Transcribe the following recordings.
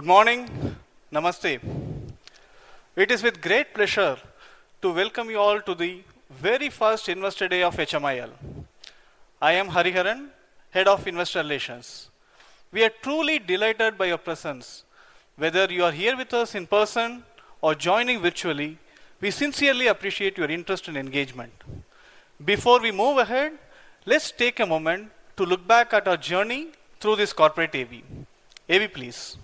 Good morning. Namaste. It is with great pleasure to welcome you all to the very first investor day of HMIL. I am Hariharan, Head of Investor Relations. We are truly delighted by your presence. Whether you are here with us in person or joining virtually, we sincerely appreciate your interest and engagement. Before we move ahead, let's take a moment to look back at our journey through this corporate event. AV, please.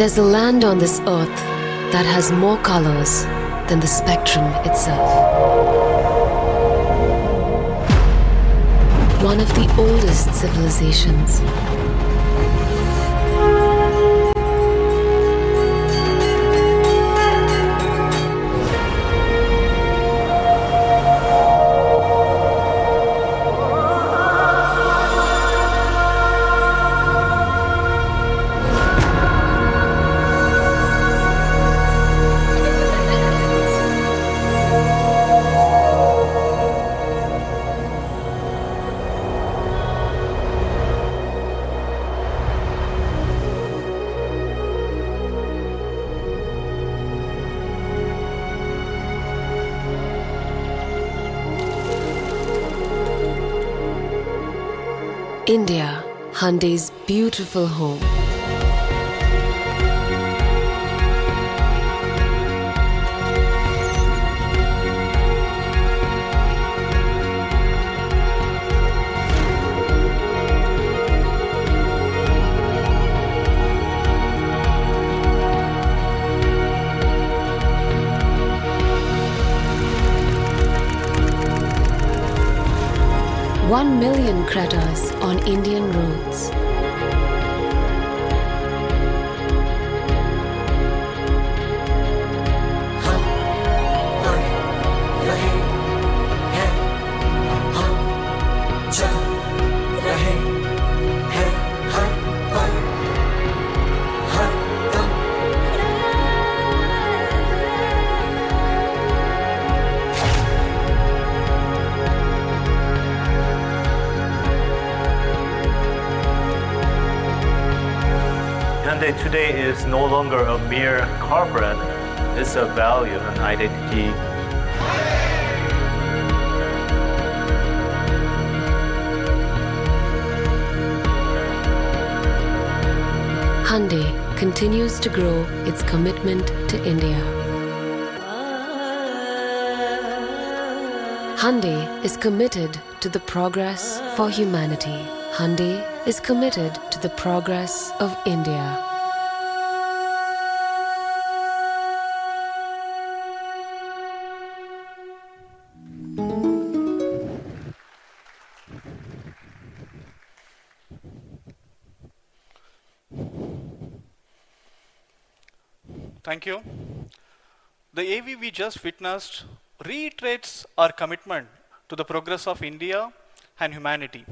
There's a land on this earth that has more colors than the spectrum itself. One of the oldest civilizations. India, Hyundai's beautiful home. One million Creta on Indian roads. Hyundai today is no longer a mere car brand, it's a value united here. Hyundai continues to grow its commitment to India. Hyundai is committed to the progress for humanity. Hyundai is committed to the progress of India. Thank you. The AV we just witnessed reiterates our commitment to the progress of India and humanity.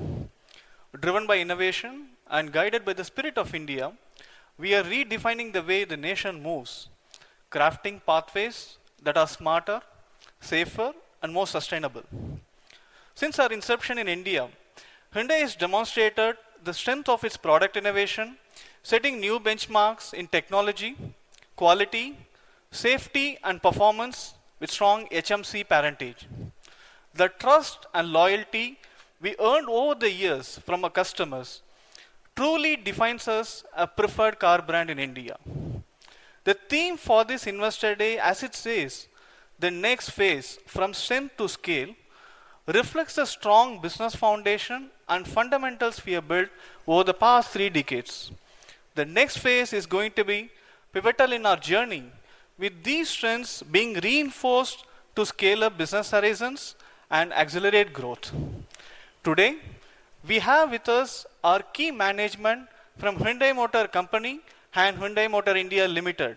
Driven by innovation and guided by the spirit of India, we are redefining the way the nation moves, crafting pathways that are smarter, safer, and more sustainable. Since our inception in India, Hyundai has demonstrated the strength of its product innovation, setting new benchmarks in technology, quality, safety, and performance with strong HMC parentage. The trust and loyalty we earned over the years from our customers truly define us as a preferred car brand in India. The theme for this Investor Day, as it says, "The next phase: from strength to scale," reflects a strong business foundation and fundamentals we have built over the past three decades. The next phase is going to be pivotal in our journey, with these strengths being reinforced to scale up business horizons and accelerate growth. Today, we have with us our key management from Hyundai Motor Company and Hyundai Motor India Limited.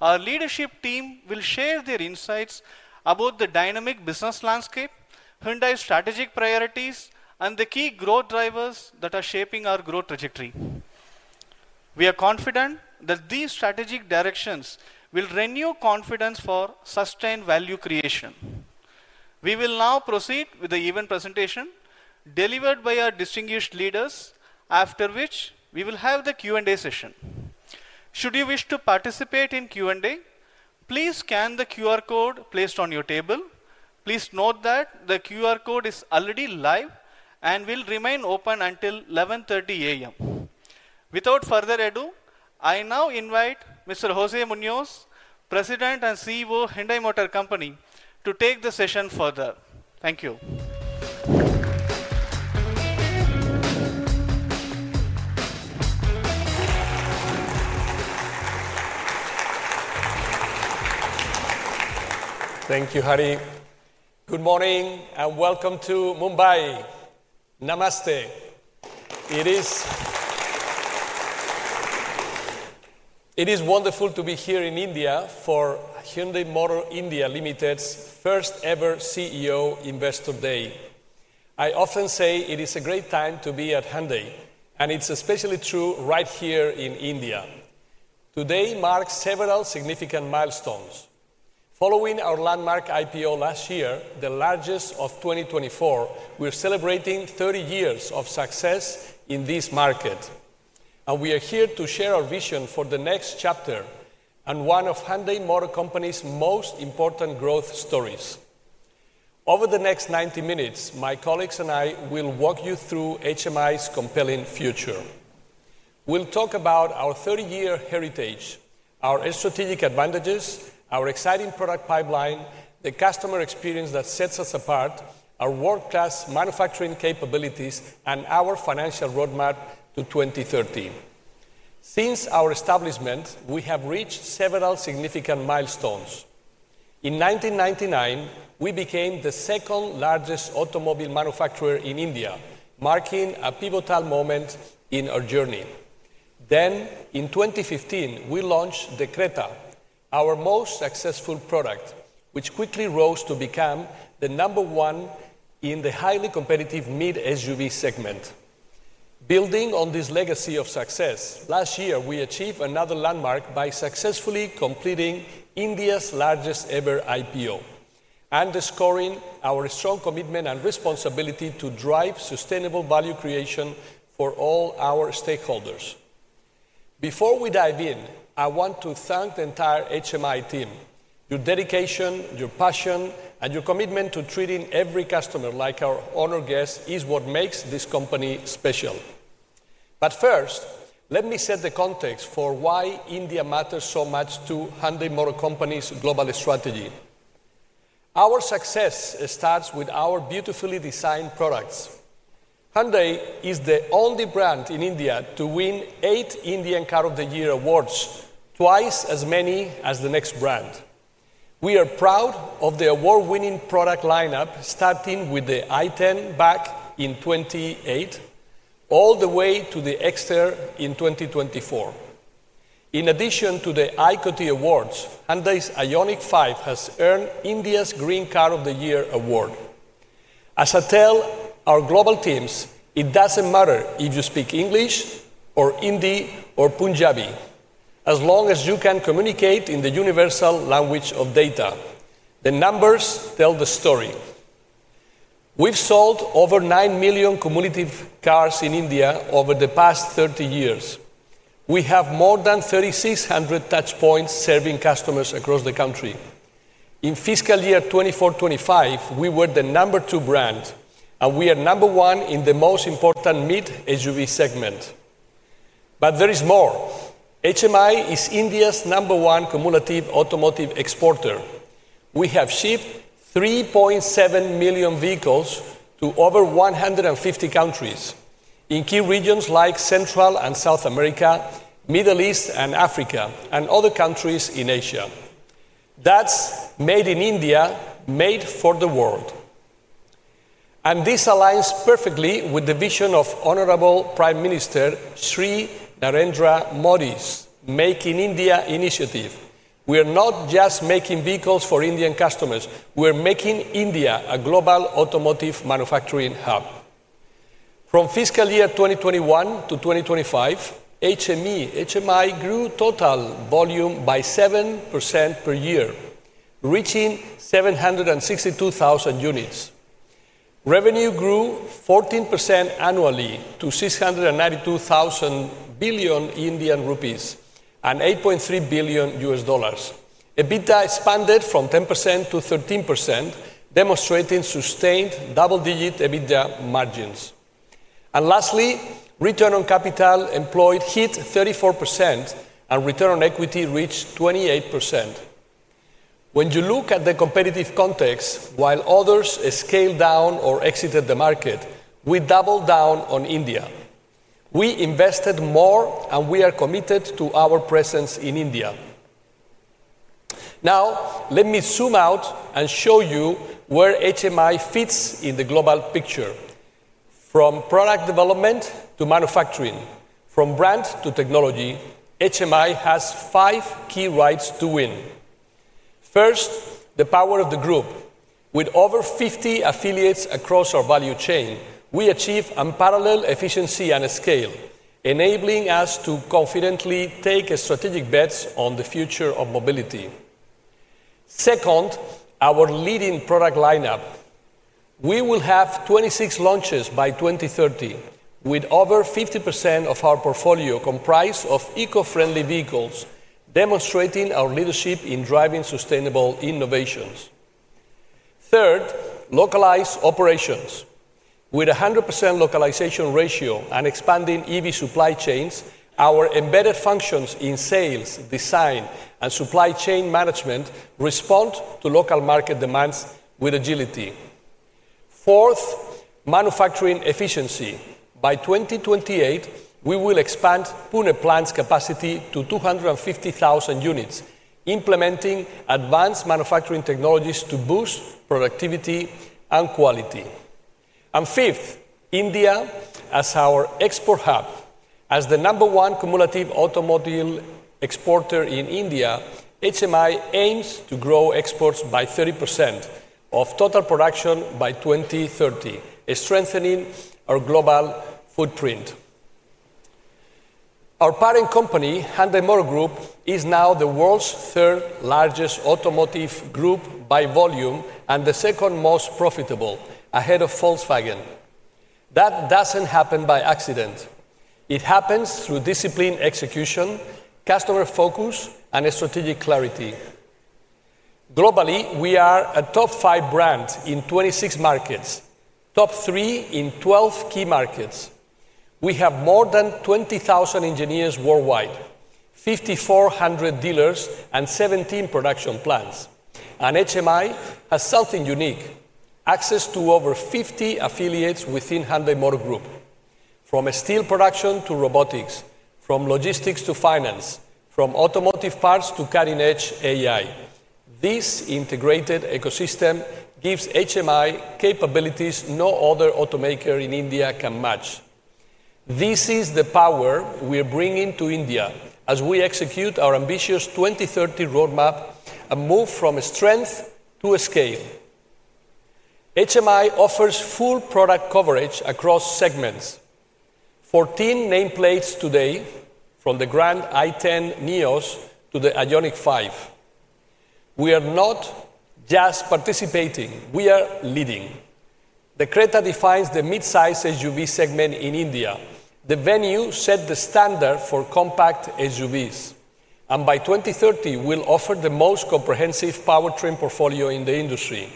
Our leadership team will share their insights about the dynamic business landscape, Hyundai's strategic priorities, and the key growth drivers that are shaping our growth trajectory. We are confident that these strategic directions will renew confidence for sustained value creation. We will now proceed with the event presentation delivered by our distinguished leaders, after which we will have the Q&A session. Should you wish to participate in Q&A, please scan the QR code placed on your table. Please note that the QR code is already live and will remain open until 11:30 A.M. Without further ado, I now invite Mr. Jose Munoz, President and CEO of Hyundai Motor Company, to take the session further. Thank you. Thank you, Hari. Good morning and welcome to Mumbai. Namaste. It is wonderful to be here in India for Hyundai Motor India Limited's first-ever CEO Investor Day. I often say it is a great time to be at Hyundai, and it's especially true right here in India. Today marks several significant milestones. Following our landmark IPO last year, the largest of 2024, we're celebrating 30 years of success in this market. We are here to share our vision for the next chapter and one of Hyundai Motor Company's most important growth stories. Over the next 90 minutes, my colleagues and I will walk you through HMI's compelling future. We'll talk about our 30-year heritage, our strategic advantages, our exciting product pipeline, the customer experience that sets us apart, our world-class manufacturing capabilities, and our financial roadmap to 2030. Since our establishment, we have reached several significant milestones. In 1999, we became the second largest automobile manufacturer in India, marking a pivotal moment in our journey. In 2015, we launched the Creta, our most successful product, which quickly rose to become the number one in the highly competitive mid-SUV segment. Building on this legacy of success, last year we achieved another landmark by successfully completing India's largest-ever IPO, underscoring our strong commitment and responsibility to drive sustainable value creation for all our stakeholders. Before we dive in, I want to thank the entire HMI team. Your dedication, your passion, and your commitment to treating every customer like our honored guests is what makes this company special. First, let me set the context for why India matters so much to Hyundai Motor Company's global strategy. Our success starts with our beautifully designed products. Hyundai is the only brand in India to win eight Indian Car of the Year awards, twice as many as the next brand. We are proud of the award-winning product lineup, starting with the i10 back in 2008 all the way to the Exter in 2024. In addition to the ICOTY Awards, Hyundai's IONIQ 5 has earned India's Green Car of the Year award. As I tell our global teams, it doesn't matter if you speak English, or Hindi, or Punjabi, as long as you can communicate in the universal language of data. The numbers tell the story. We've sold over 9 million cumulative cars in India over the past 30 years. We have more than 3,600 touch points serving customers across the country. In fiscal year 2024, we were the number two brand, and we are number one in the most important mid-SUV segment. There is more. HMIL is India's number one cumulative automotive exporter. We have shipped 3.7 million vehicles to over 150 countries in key regions like Central and South America, Middle East and Africa, and other countries in Asia. That's made in India, made for the world. This aligns perfectly with the vision of Honorable Prime Minister Shri Narendra Modi's Make in India initiative. We are not just making vehicles for Indian customers; we are making India a global automotive manufacturing hub. From fiscal year 2021 to 2025, HMI grew total volume by 7% per year, reaching 762,000 units. Revenue grew 14% annually to 692 billion Indian rupees and $8.3 billion. EBITDA expanded from 10% to 13%, demonstrating sustained double-digit EBITDA margins. Lastly, return on capital employed hit 34%, and return on equity reached 28%. When you look at the competitive context, while others scaled down or exited the market, we doubled down on India. We invested more, and we are committed to our presence in India. Now, let me zoom out and show you where HMIL fits in the global picture. From product development to manufacturing, from brand to technology, HMI has five key rights to win. First, the power of the group. With over 50 affiliates across our value chain, we achieve unparalleled efficiency and scale, enabling us to confidently take strategic bets on the future of mobility. Second, our leading product lineup. We will have 26 launches by 2030, with over 50% of our portfolio comprised of eco-friendly vehicles, demonstrating our leadership in driving sustainable innovations. Third, localized operations. With a 100% localization ratio and expanding EV supply chains, our embedded functions in sales, design, and supply chain management respond to local market demands with agility. Fourth, manufacturing efficiency. By 2028, we will expand Pune plant's capacity to 250,000 units, implementing advanced manufacturing technologies to boost productivity and quality. Fifth, India as our export hub. As the number one cumulative automobile exporter in India, HMI aims to grow exports by 30% of total production by 2030, strengthening our global footprint. Our parent company, Hyundai Motor Group, is now the world's third largest automotive group by volume and the second most profitable, ahead of Volkswagen. That doesn't happen by accident. It happens through disciplined execution, customer focus, and strategic clarity. Globally, we are a top five brand in 26 markets, top three in 12 key markets. We have more than 20,000 engineers worldwide, 5,400 dealers, and 17 production plants. HMI has something unique: access to over 50 affiliates within Hyundai Motor Group. From steel production to robotics, from logistics to finance, from automotive parts to cutting-edge AI, this integrated ecosystem gives HMIL capabilities no other automaker in India can match. This is the power we're bringing to India as we execute our ambitious 2030 roadmap and move from strength to scale. HMI offers full product coverage across segments. 14 nameplates today, from the Grand i10 Nios to the IONIQ 5. We are not just participating; we are leading. The Creta defines the midsize SUV segment in India. The Venue sets the standard for compact SUVs. By 2030, we'll offer the most comprehensive powertrain portfolio in the industry,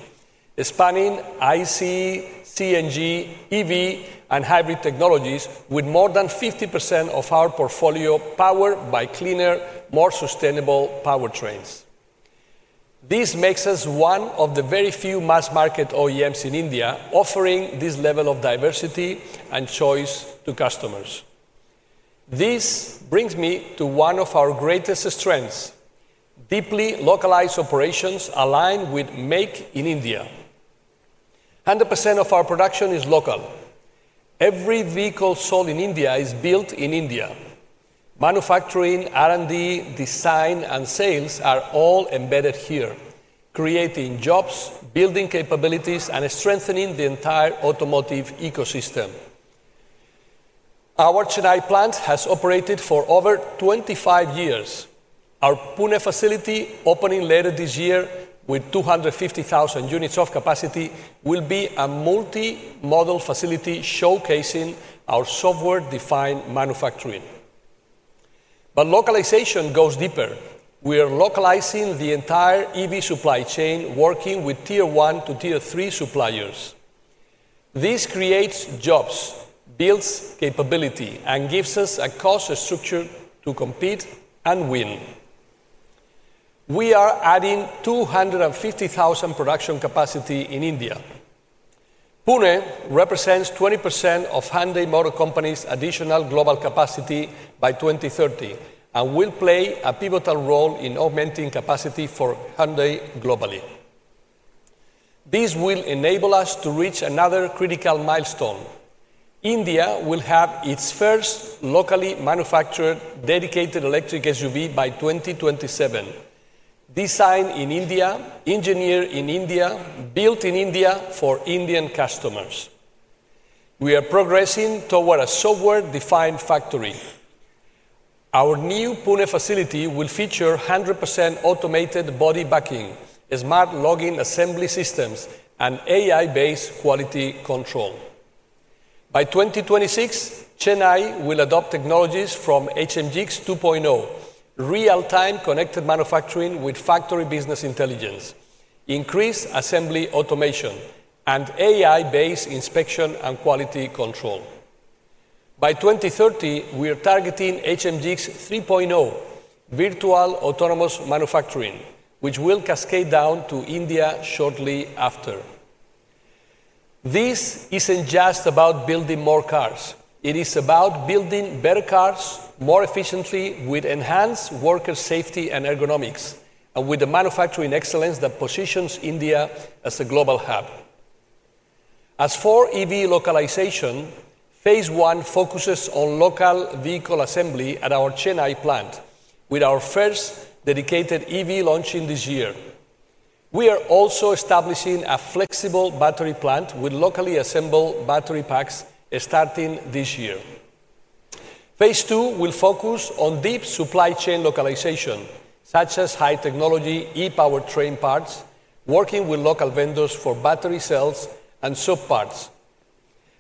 spanning IC, CNG, EV, and hybrid technologies, with more than 50% of our portfolio powered by cleaner, more sustainable powertrains. This makes us one of the very few mass-market OEMs in India offering this level of diversity and choice to customers. This brings me to one of our greatest strengths: deeply localized operations aligned with Make in India. 100% of our production is local. Every vehicle sold in India is built in India. Manufacturing, R&D, design, and sales are all embedded here, creating jobs, building capabilities, and strengthening the entire automotive ecosystem. Our Chennai plant has operated for over 25 years. Our Pune facility, opening later this year with 250,000 units of capacity, will be a multi-model facility showcasing our software-defined manufacturing. Localization goes deeper. We are localizing the entire EV supply chain, working with tier 1 to tier 3 suppliers. This creates jobs, builds capability, and gives us a cost structure to compete and win. We are adding 250,000 production capacity in India. Pune represents 20% of Hyundai Motor Company's additional global capacity by 2030 and will play a pivotal role in augmenting capacity for Hyundai globally. This will enable us to reach another critical milestone. India will have its first locally manufactured dedicated electric SUV by 2027. Designed in India, engineered in India, built in India for Indian customers. We are progressing toward a software-defined factory. Our new Pune facility will feature 100% automated body backing, smart logging assembly systems, and AI-based quality control. By 2026, Chennai will adopt technologies from HMGX 2.0, real-time connected manufacturing with factory business intelligence, increased assembly automation, and AI-based inspection and quality control. By 2030, we are targeting HMGX 3.0, virtual autonomous manufacturing, which will cascade down to India shortly after. This isn't just about building more cars. It is about building better cars, more efficiently, with enhanced worker safety and ergonomics, and with the manufacturing excellence that positions India as a global hub. As for EV localization, phase I focuses on local vehicle assembly at our Chennai plant, with our first dedicated EV launching this year. We are also establishing a flexible battery plant with locally assembled battery packs starting this year. Phase II will focus on deep supply chain localization, such as high-technology e-power train parts, working with local vendors for battery cells and sub-parts.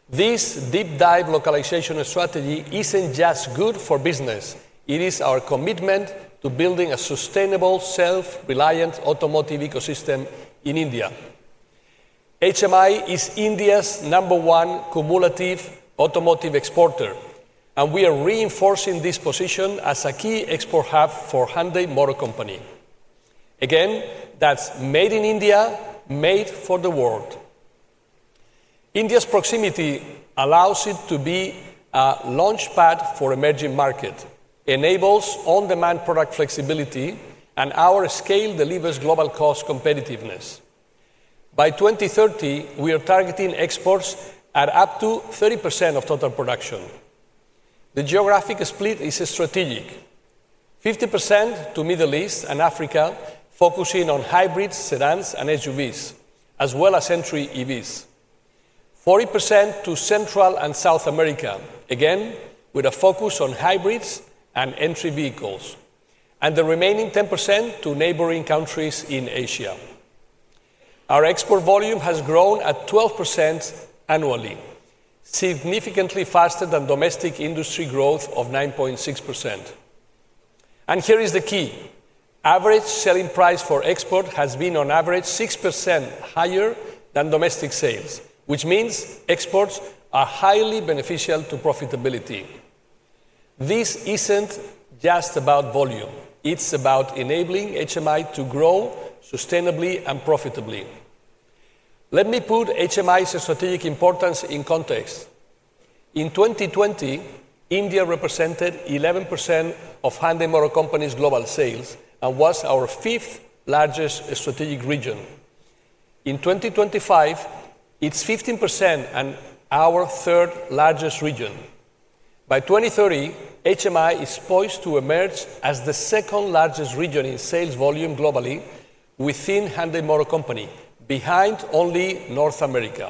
This deep-dive localization strategy isn't just good for business; it is our commitment to building a sustainable, self-reliant automotive ecosystem in India. HMI is India's number one cumulative automotive exporter, and we are reinforcing this position as a key export hub for Hyundai Motor Company. Again, that's made in India, made for the world. India's proximity allows it to be a launchpad for emerging markets, enables on-demand product flexibility, and our scale delivers global cost competitiveness. By 2030, we are targeting exports at up to 30% of total production. The geographic split is strategic: 50% to the Middle East and Africa, focusing on hybrids, sedans, and SUVs, as well as entry EVs; 40% to Central and South America, again with a focus on hybrids and entry vehicles; and the remaining 10% to neighboring countries in Asia. Our export volume has grown at 12% annually, significantly faster than domestic industry growth of 9.6%. Here is the key: average selling price for export has been on average 6% higher than domestic sales, which means exports are highly beneficial to profitability. This isn't just about volume; it's about enabling HMI to grow sustainably and profitably. Let me put HMI's strategic importance in context. In 2020, India represented 11% of Hyundai Motor Company's global sales and was our fifth largest strategic region. In 2025, it's 15% and our third largest region. By 2030, HMIL is poised to emerge as the second largest region in sales volume globally within Hyundai Motor Company, behind only North America.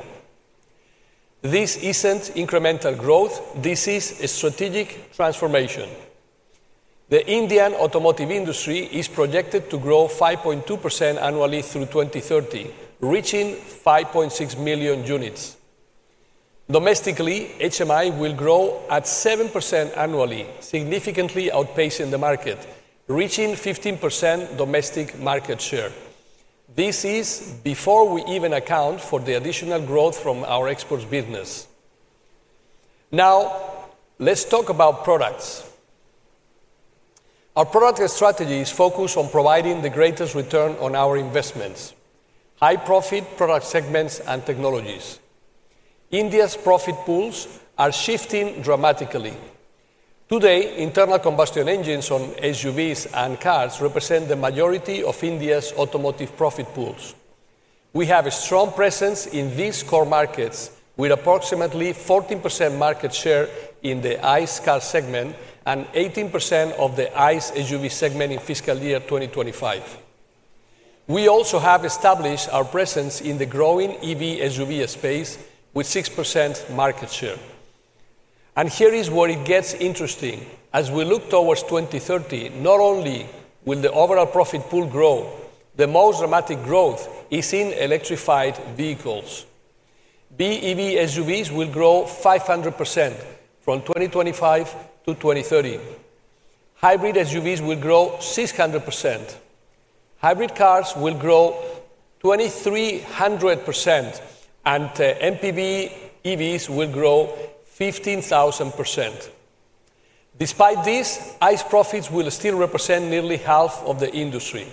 This isn't incremental growth; this is a strategic transformation. The Indian automotive industry is projected to grow 5.2% annually through 2030, reaching 5.6 million units. Domestically, HMI will grow at 7% annually, significantly outpacing the market, reaching 15% domestic market share. This is before we even account for the additional growth from our exports business. Now, let's talk about products. Our product strategy is focused on providing the greatest return on our investments: high-profit product segments and technologies. India's profit pools are shifting dramatically. Today, internal combustion engines on SUVs and cars represent the majority of India's automotive profit pools. We have a strong presence in these core markets, with approximately 14% market share in the ICE car segment and 18% of the ICE SUV segment in fiscal year 2025. We also have established our presence in the growing EV SUV space, with 6% market share. Here is where it gets interesting. As we look towards 2030, not only will the overall profit pool grow, the most dramatic growth is in electrified vehicles. BEV SUVs will grow 500% from 2025 to 2030. Hybrid SUVs will grow 600%. Hybrid cars will grow 2,300%, and MPV EVs will grow 15,000%. Despite this, ICE profits will still represent nearly half of the industry.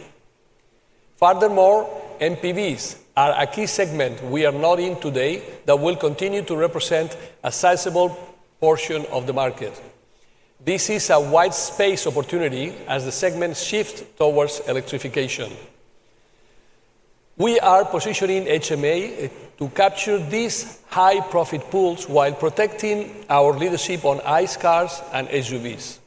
Furthermore, MPVs are a key segment we are not in today that will continue to represent a sizable portion of the market. This is a wide space opportunity as the segments shift towards electrification. We are positioning HMI to capture these high-profit pools while protecting our leadership on ICE cars and SUVs.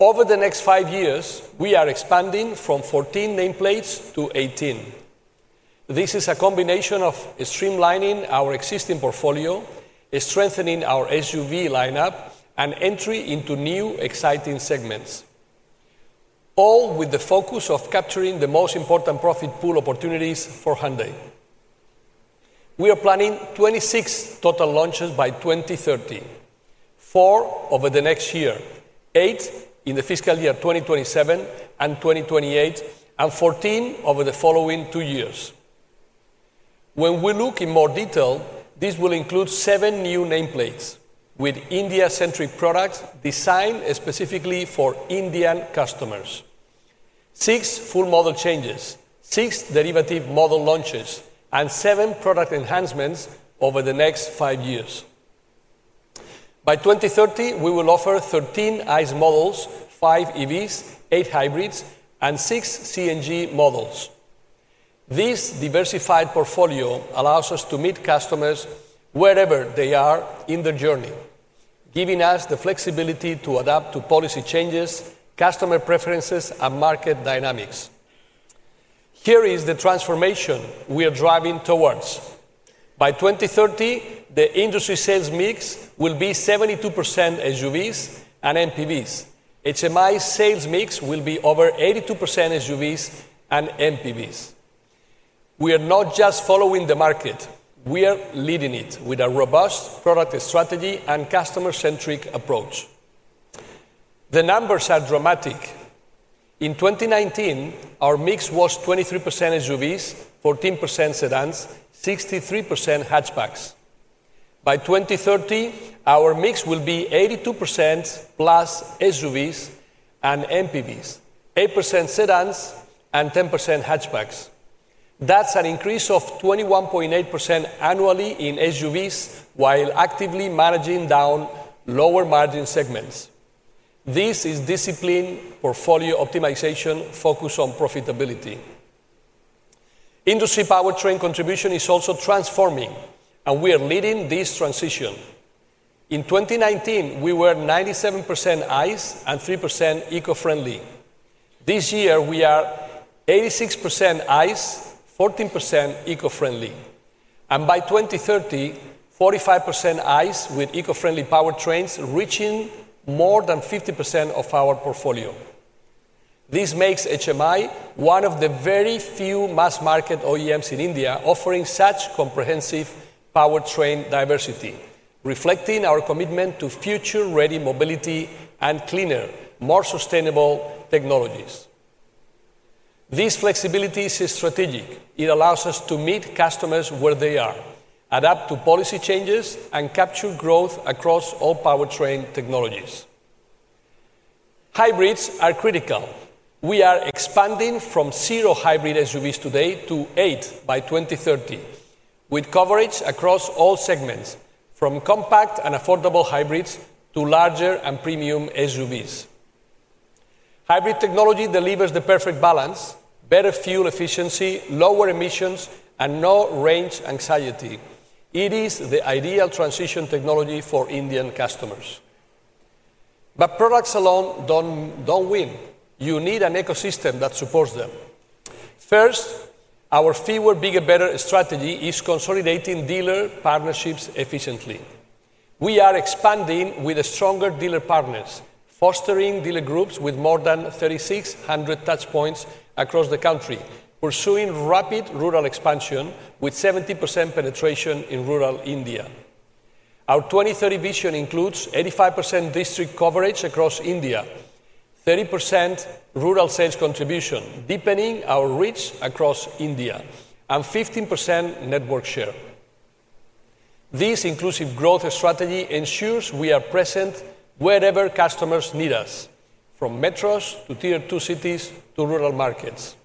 Over the next five years, we are expanding from 14 nameplates to 18. This is a combination of streamlining our existing portfolio, strengthening our SUV lineup, and entry into new exciting segments, all with the focus of capturing the most important profit pool opportunities for Hyundai. We are planning 26 total launches by 2030: four over the next year, eight in the fiscal year 2027 and 2028, and 14 over the following two years. When we look in more detail, this will include seven new nameplates with India-centric products designed specifically for Indian customers, six full model changes, six derivative model launches, and seven product enhancements over the next five years. By 2030, we will offer 13 ICE models, five EVs, eight hybrids, and six CNG models. This diversified portfolio allows us to meet customers wherever they are in their journey, giving us the flexibility to adapt to policy changes, customer preferences, and market dynamics. Here is the transformation we are driving towards. By 2030, the industry sales mix will be 72% SUVs and MPVs. HMI's sales mix will be over 82% SUVs and MPVs. We are not just following the market, we are leading it with a robust product strategy and customer-centric approach. The numbers are dramatic. In 2019, our mix was 23% SUVs, 14% sedans, 63% hatchbacks. By 2030, our mix will be 82%+ SUVs and MPVs, 8% sedans, and 10% hatchbacks. That's an increase of 21.8% annually in SUVs while actively managing down lower margin segments. This is disciplined portfolio optimization focused on profitability. Industry powertrain contribution is also transforming, and we are leading this transition. In 2019, we were 97% ICE and 3% eco-friendly. This year, we are 86% ICE, 14% eco-friendly. By 2030, 45% ICE with eco-friendly powertrains, reaching more than 50% of our portfolio. This makes HMI one of the very few mass-market OEMs in India offering such comprehensive powertrain diversity, reflecting our commitment to future-ready mobility and cleaner, more sustainable technologies. This flexibility is strategic. It allows us to meet customers where they are, adapt to policy changes, and capture growth across all powertrain technologies. Hybrids are critical. We are expanding from zero hybrid SUVs today to eight by 2030, with coverage across all segments, from compact and affordable hybrids to larger and premium SUVs. Hybrid technology delivers the perfect balance: better fuel efficiency, lower emissions, and no range anxiety. It is the ideal transition technology for Indian customers. Products alone don't win. You need an ecosystem that supports them. First, our fewer bigger better strategy is consolidating dealer partnerships efficiently. We are expanding with stronger dealer partners, fostering dealer groups with more than 3,600 touch points across the country, pursuing rapid rural expansion with 70% penetration in rural India. Our 2030 vision includes 85% district coverage across India, 30% rural sales contribution, deepening our reach across India, and 15% network share. This inclusive growth strategy ensures we are present wherever customers need us, from metros to tier 2 cities to rural markets.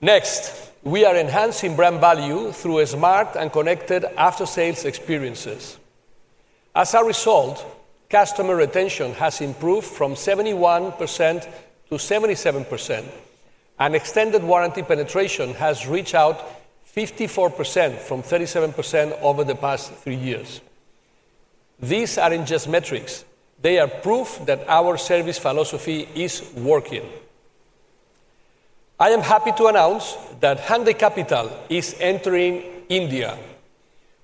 Next, we are enhancing brand value through smart and connected after-sales experiences. As a result, customer retention has improved from 71%-77%, and extended warranty penetration has reached 54% from 37% over the past three years. These aren't just metrics; they are proof that our service philosophy is working. I am happy to announce that Hyundai Capital is entering India.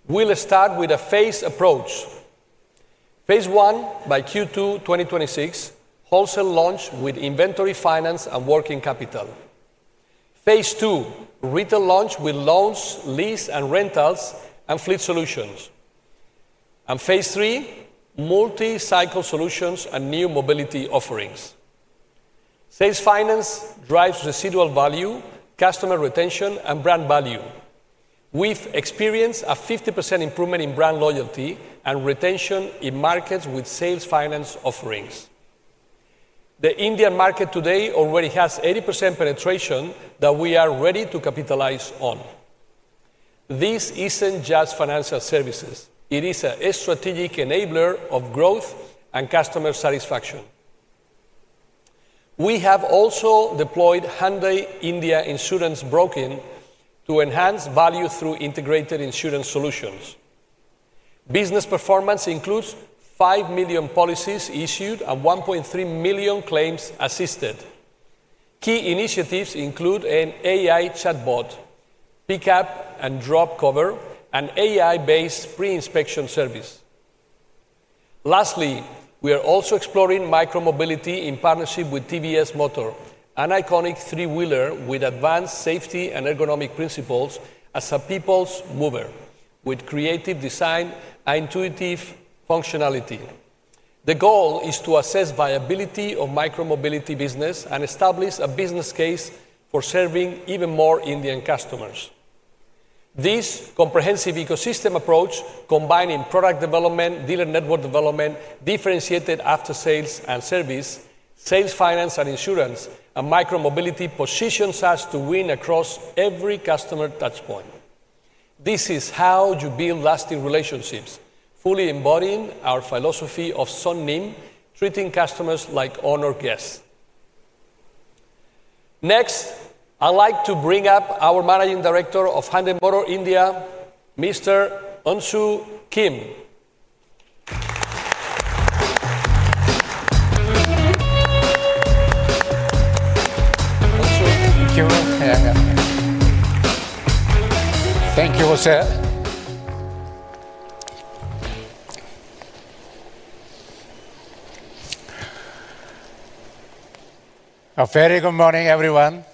We'll start with a phased approach. Phase I by Q2 2026, wholesale launch with inventory finance and working capital. Phase II, retail launch with loans, lease, and rentals, and fleet solutions. Phase III, multi-cycle solutions and new mobility offerings. Sales finance drives residual value, customer retention, and brand value. We've experienced a 50% improvement in brand loyalty and retention in markets with sales finance offerings. The Indian market today already has 80% penetration that we are ready to capitalize on. This isn't just financial services. It is a strategic enabler of growth and customer satisfaction. We have also deployed Hyundai India Insurance Broking to enhance value through integrated insurance solutions. Business performance includes 5 million policies issued and 1.3 million claims assisted. Key initiatives include an AI chatbot, pickup and drop cover, and AI-based pre-inspection service. Lastly, we are also exploring micro-mobility in partnership with TVS Motor, an iconic three-wheeler with advanced safety and ergonomic principles, as a people's mover with creative design and intuitive functionality. The goal is to assess the viability of micro-mobility business and establish a business case for serving even more Indian customers. This comprehensive ecosystem approach, combining product development, dealer network development, differentiated after-sales and service, sales finance and insurance, and micro-mobility positions us to win across every customer touch point. This is how you build lasting relationships, fully embodying our philosophy of sun-nim, treating customers like honored guests. Next, I'd like to bring up our Managing Director of Hyundai Motor India, Mr. Unsoo Kim. Thank you, José. A very good morning, everyone.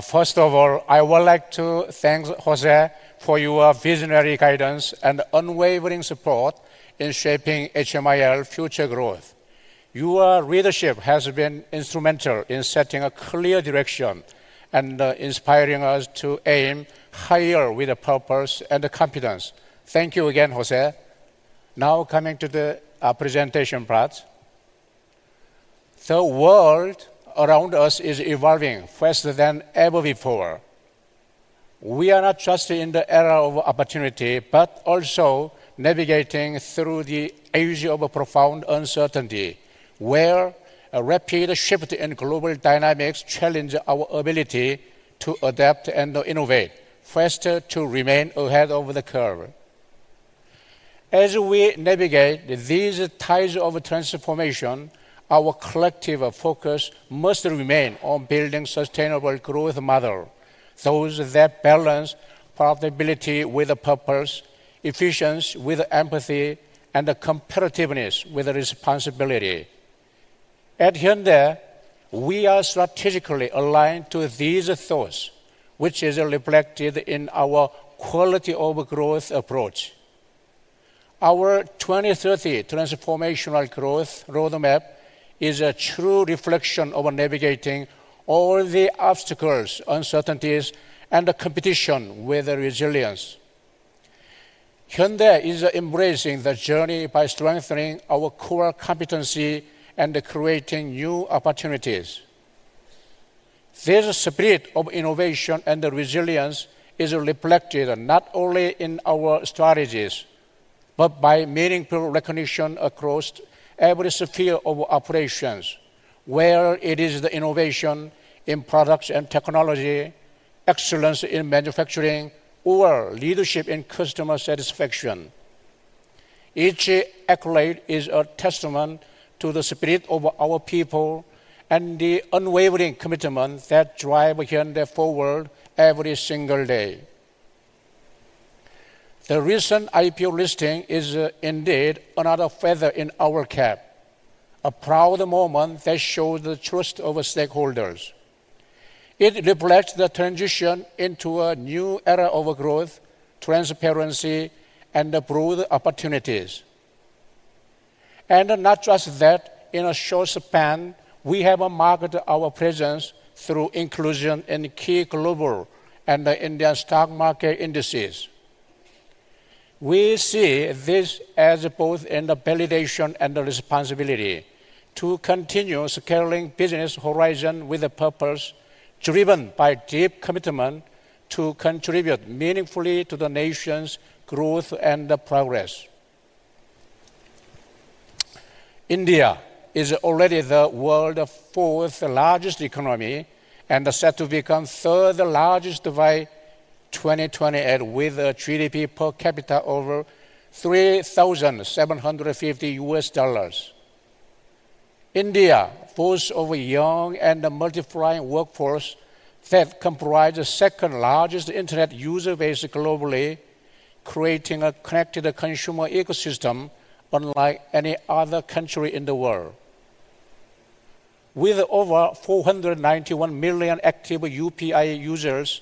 First of all, I would like to thank Jose for your visionary guidance and unwavering support in shaping HMIL's future growth. Your leadership has been instrumental in setting a clear direction and inspiring us to aim higher with a purpose and competence. Thank you again, José. Now coming to the presentation part. The world around us is evolving faster than ever before. We are not just in the era of opportunity, but also navigating through the age of profound uncertainty, where a rapid shift in global dynamics challenges our ability to adapt and innovate, faster to remain ahead of the curve. As we navigate these tides of transformation, our collective focus must remain on building a sustainable growth model that balances profitability with purpose, efficiency with empathy, and competitiveness with responsibility. At Hyundai, we are strategically aligned to these thoughts, which are reflected in our quality of growth approach. Our 2030 transformational growth roadmap is a true reflection of navigating all the obstacles, uncertainties, and competition with resilience. Hyundai is embracing the journey by strengthening our core competency and creating new opportunities. This spirit of innovation and resilience is reflected not only in our strategies, but by meaningful recognition across every sphere of operations, whether it is the innovation in products and technology, excellence in manufacturing, or leadership in customer satisfaction. Each accolade is a testament to the spirit of our people and the unwavering commitment that drives Hyundai forward every single day. The recent IPO listing is indeed another feather in our cap, a proud moment that shows the trust of stakeholders. It reflects the transition into a new era of growth, transparency, and broad opportunities. In a short span, we have marketed our presence through inclusion in key global and Indian stock market indices. We see this as both a validation and a responsibility to continue scaling business horizons with a purpose driven by deep commitment to contribute meaningfully to the nation's growth and progress. India is already the world's fourth largest economy and is set to become the third largest by 2028, with a GDP per capita of $3,750. India boasts of a young and multiplying workforce that comprises the second largest internet user base globally, creating a connected consumer ecosystem unlike any other country in the world. With over 491 million active UPI users,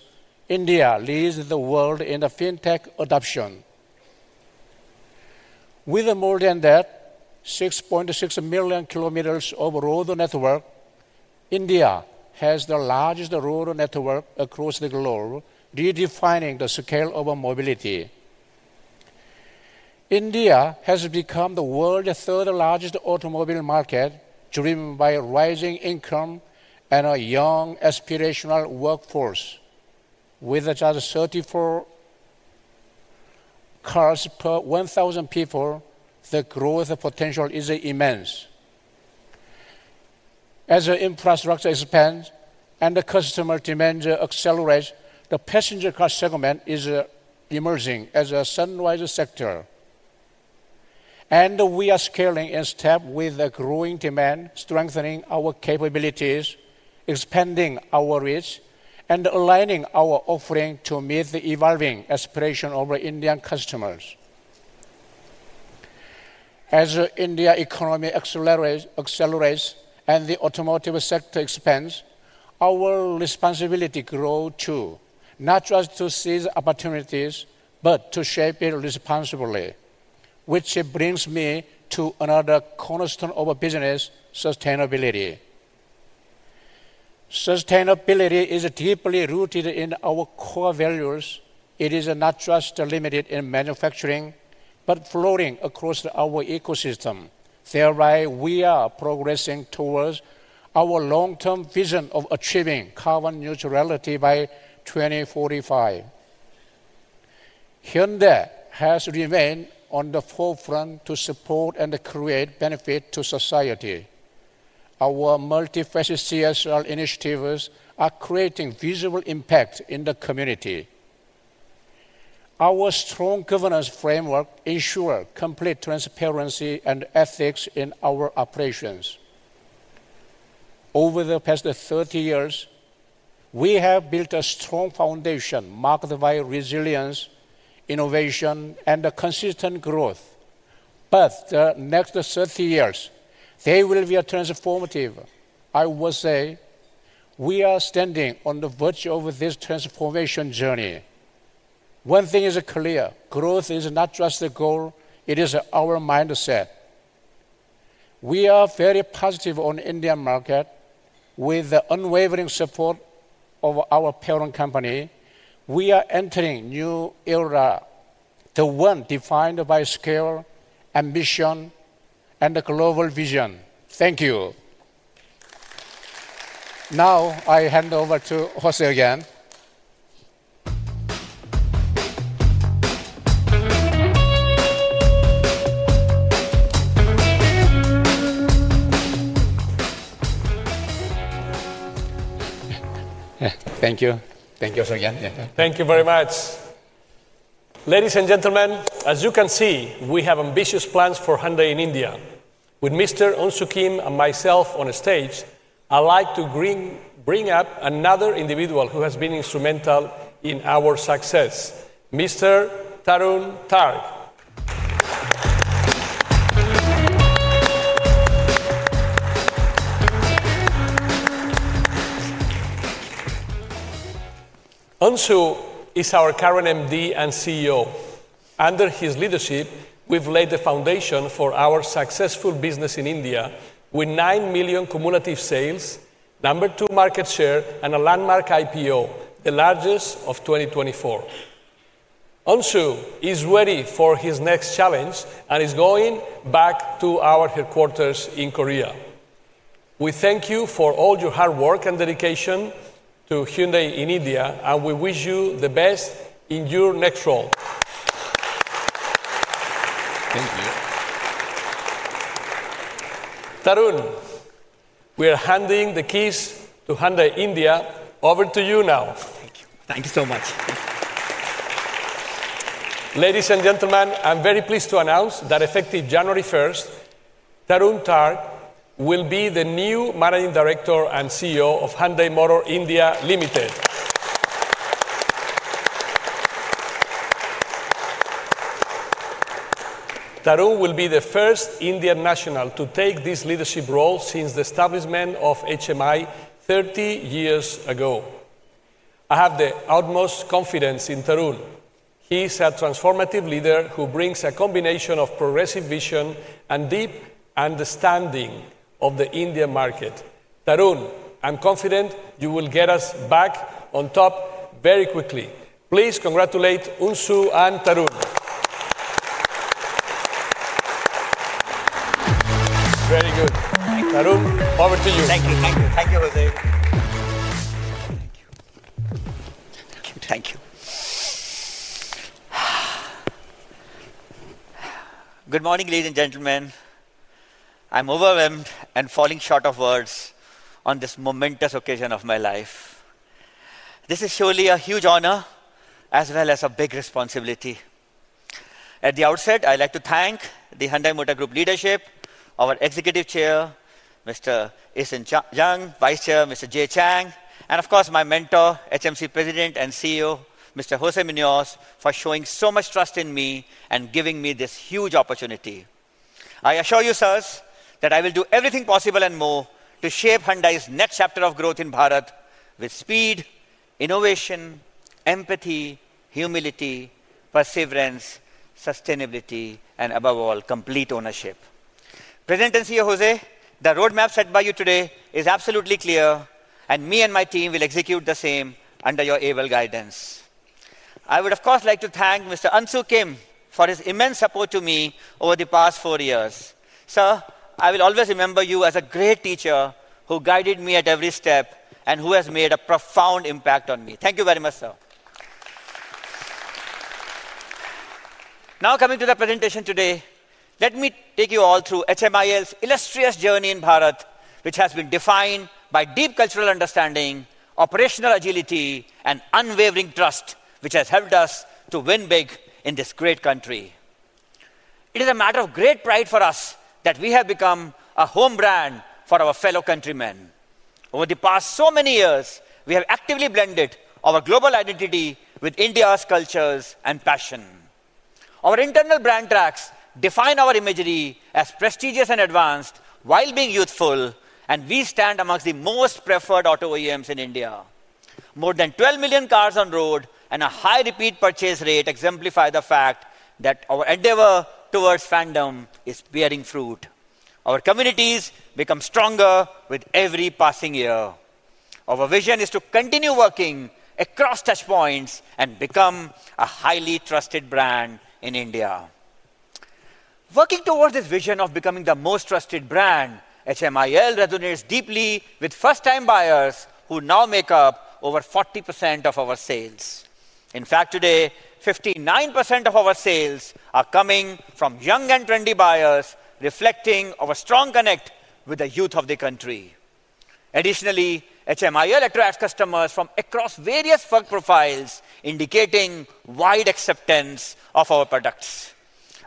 India leads the world in fintech adoption. With more than 6.6 million km of road network, India has the largest road network across the globe, redefining the scale of mobility. India has become the world's third largest automobile market, driven by rising income and a young, aspirational workforce. With just 34 cars per 1,000 people, the growth potential is immense. As infrastructure expands and customer demand accelerates, the passenger car segment is emerging as a sunrise sector. We are scaling in step with the growing demand, strengthening our capabilities, expanding our reach, and aligning our offering to meet the evolving aspirations of Indian customers. As the India economy accelerates and the automotive sector expands, our responsibility grows too, not just to seize opportunities, but to shape it responsibly, which brings me to another cornerstone of our business: sustainability. Sustainability is deeply rooted in our core values. It is not just limited to manufacturing, but flowing across our ecosystem. We are progressing towards our long-term vision of achieving carbon neutrality by 2045. Hyundai has remained on the forefront to support and create benefit to society. Our multifaceted CSR initiatives are creating visible impact in the community. Our strong governance framework ensures complete transparency and ethics in our operations. Over the past 30 years, we have built a strong foundation marked by resilience, innovation, and consistent growth. The next 30 years will be transformative. I would say we are standing on the verge of this transformation journey. One thing is clear: growth is not just a goal; it is our mindset. We are very positive on the Indian market. With the unwavering support of our parent company, we are entering a new era, one defined by scale, ambition, and a global vision. Thank you. Now, I hand over to Jose again. Thank you. Thank you, Jose again. Thank you very much. Ladies and gentlemen, as you can see, we have ambitious plans for Hyundai in India. With Mr. Unsoo Kim and myself on the stage, I'd like to bring up another individual who has been instrumental in our success: Mr. Tarun Garg. Unsoo is our current MD and CEO. Under his leadership, we've laid the foundation for our successful business in India, with 9 million cumulative sales, number two market share, and a landmark IPO, the largest of 2024. Unsoo is ready for his next challenge and is going back to our headquarters in Korea. We thank you for all your hard work and dedication to Hyundai India, and we wish you the best in your next role. Thank you. Tarun, we are handing the keys to Hyundai Motor India over to you now. Thank you. Thank you so much. Ladies and gentlemen, I'm very pleased to announce that effective January 1st, Tarun Garg will be the new Managing Director and CEO of Hyundai Motor India. Tarun will be the first Indian national to take this leadership role since the establishment of HMI 30 years ago. I have the utmost confidence in Tarun. He is a transformative leader who brings a combination of progressive vision and deep understanding of the Indian market. Tarun, I'm confident you will get us back on top very quickly. Please congratulate Unsoo and Tarun. Very good. Tarun, over to you. Thank you. Thank you. Thank you, José. Thank you. Thank you. Good morning, ladies and gentlemen. I'm overwhelmed and falling short of words on this momentous occasion of my life. This is surely a huge honor, as well as a big responsibility. At the outset, I'd like to thank the Hyundai Motor Group leadership, our Executive Chair, Mr. Eui-sun Chung, Vice Chair, Mr. Jaehoon Chang, and of course, my mentor, HMC President and CEO, Mr. José Munoz, for showing so much trust in me and giving me this huge opportunity. I assure you, sirs, that I will do everything possible and more to shape Hyundai's next chapter of growth in Bharat with speed, innovation, empathy, humility, perseverance, sustainability, and above all, complete ownership. President and CEO José, the roadmap set by you today is absolutely clear, and me and my team will execute the same under your aerial guidance. I would, of course, like to thank Mr. Unsoo Kim for his immense support to me over the past four years. Sir, I will always remember you as a great teacher who guided me at every step and who has made a profound impact on me. Thank you very much, sir. Now, coming to the presentation today, let me take you all through HMIL's illustrious journey in Bharat, which has been defined by deep cultural understanding, operational agility, and unwavering trust, which has helped us to win big in this great country. It is a matter of great pride for us that we have become a home brand for our fellow countrymen. Over the past so many years, we have actively blended our global identity with India's cultures and passion. Our internal brand tracks define our imagery as prestigious and advanced while being youthful, and we stand amongst the most preferred auto OEMs in India. More than 12 million cars on road and a high repeat purchase rate exemplify the fact that our endeavor towards fandom is bearing fruit. Our communities become stronger with every passing year. Our vision is to continue working across touch points and become a highly trusted brand in India. Working towards this vision of becoming the most trusted brand, HMIL resonates deeply with first-time buyers who now make up over 40% of our sales. In fact, today, 59% of our sales are coming from young and trendy buyers, reflecting our strong connection with the youth of the country. Additionally, HMIL attracts customers from across various work profiles, indicating wide acceptance of our products.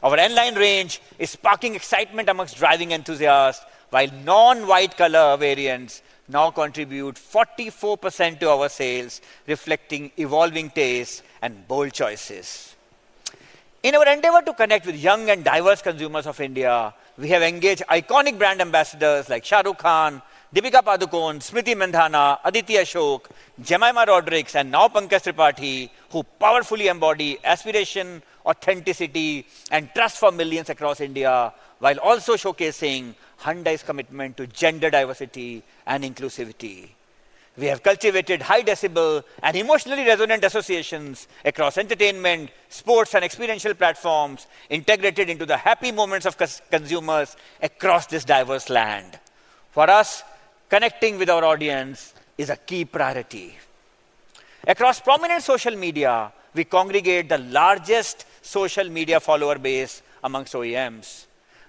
Our N-line range is sparking excitement amongst driving enthusiasts, while non-white color variants now contribute 44% to our sales, reflecting evolving tastes and bold choices. In our endeavor to connect with young and diverse consumers of India, we have engaged iconic brand ambassadors like Shah Rukh Khan, Deepika Padukone, Smriti Mandhana, Aditya Shoak, Jemimah Rodrigues, and now Pankaj Tripathi who powerfully embody aspiration, authenticity, and trust for millions across India, while also showcasing Hyundai's commitment to gender diversity and inclusivity. We have cultivated high-decibel and emotionally resonant associations across entertainment, sports, and experiential platforms, integrated into the happy moments of consumers across this diverse land. For us, connecting with our audience is a key priority. Across prominent social media, we congregate the largest social media follower base amongst OEMs.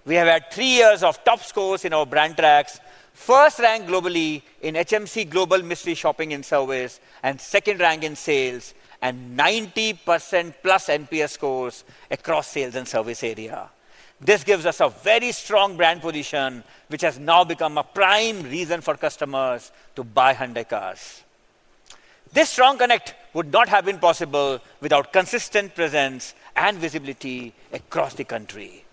We have had three years of top scores in our brand tracks, first rank globally in HMC Global Mystery Shopping and Service, and second rank in sales, and 90%+ NPS scores across sales and service area. This gives us a very strong brand position, which has now become a prime reason for customers to buy Hyundai cars. This strong connection would not have been possible without consistent presence and visibility across the country.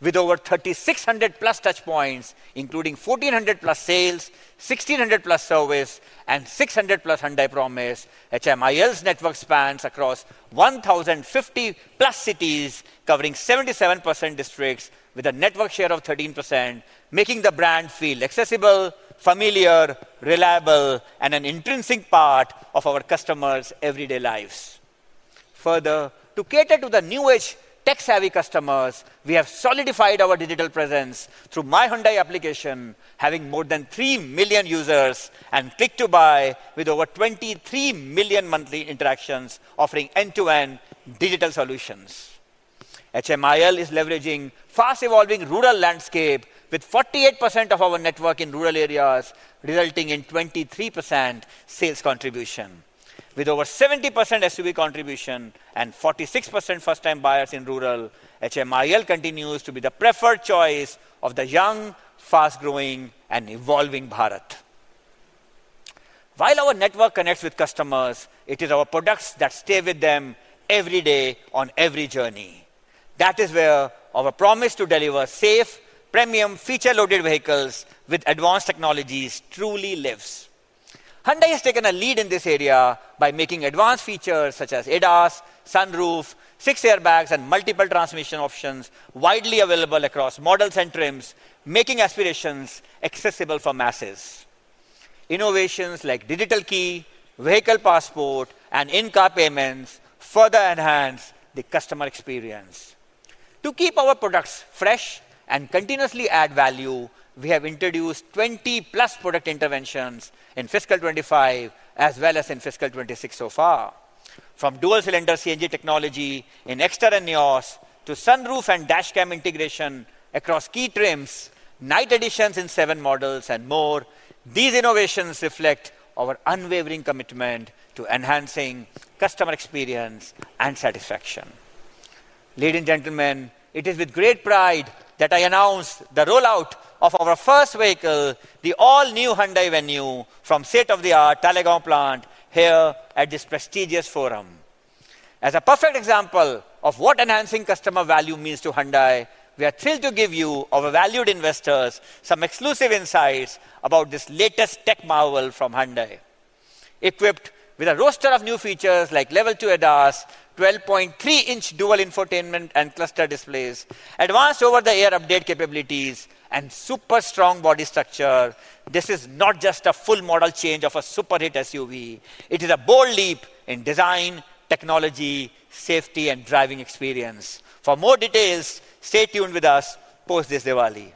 With over 3,600+ touch points, including 1,400+ sales, 1,600+ service, and 600+ Hyundai Promise, HMIL's network spans across 1,050+ cities, covering 77% districts, with a network share of 13%, making the brand feel accessible, familiar, reliable, and an intrinsic part of our customers' everyday lives. Further, to cater to the new-age, tech-savvy customers, we have solidified our digital presence through myHyundai application, having more than 3 million users and Click-to-Buy with over 23 million monthly interactions, offering end-to-end digital solutions. HMIL is leveraging a fast-evolving rural landscape, with 48% of our network in rural areas, resulting in 23% sales contribution. With over 70% SUV contribution and 46% first-time buyers in rural, HMIL continues to be the preferred choice of the young, fast-growing, and evolving Bharat. While our network connects with customers, it is our products that stay with them every day on every journey. That is where our promise to deliver safe, premium feature-loaded vehicles with advanced technologies truly lives. Hyundai has taken a lead in this area by making advanced features such as ADAS, sunroof, six airbags, and multiple transmission options widely available across models and trims, making aspirations accessible for masses. Innovations like digital key, vehicle passport, and in-car payments further enhance the customer experience. To keep our products fresh and continuously add value, we have introduced 20+ product interventions in fiscal 2025, as well as in fiscal 2026 so far. From dual-cylinder CNG technology in Exter and NIOS to sunroof and dash cam integration across key trims, night editions in seven models, and more, these innovations reflect our unwavering commitment to enhancing customer experience and satisfaction. Ladies and gentlemen, it is with great pride that I announce the rollout of our first vehicle, the all-new Hyundai Venue, from state-of-the-art Talegaon plant here at this prestigious forum. As a perfect example of what enhancing customer value means to Hyundai, we are thrilled to give you, our valued investors, some exclusive insights about this latest tech marvel from Hyundai. Equipped with a roster of new features like level two ADAS, 12.3-inch dual infotainment and cluster displays, advanced over-the-air update capabilities, and super strong body structure, this is not just a full model change of a super-hit SUV. It is a bold leap in design, technology, safety, and driving experience. For more details, stay tuned with us post this Diwali.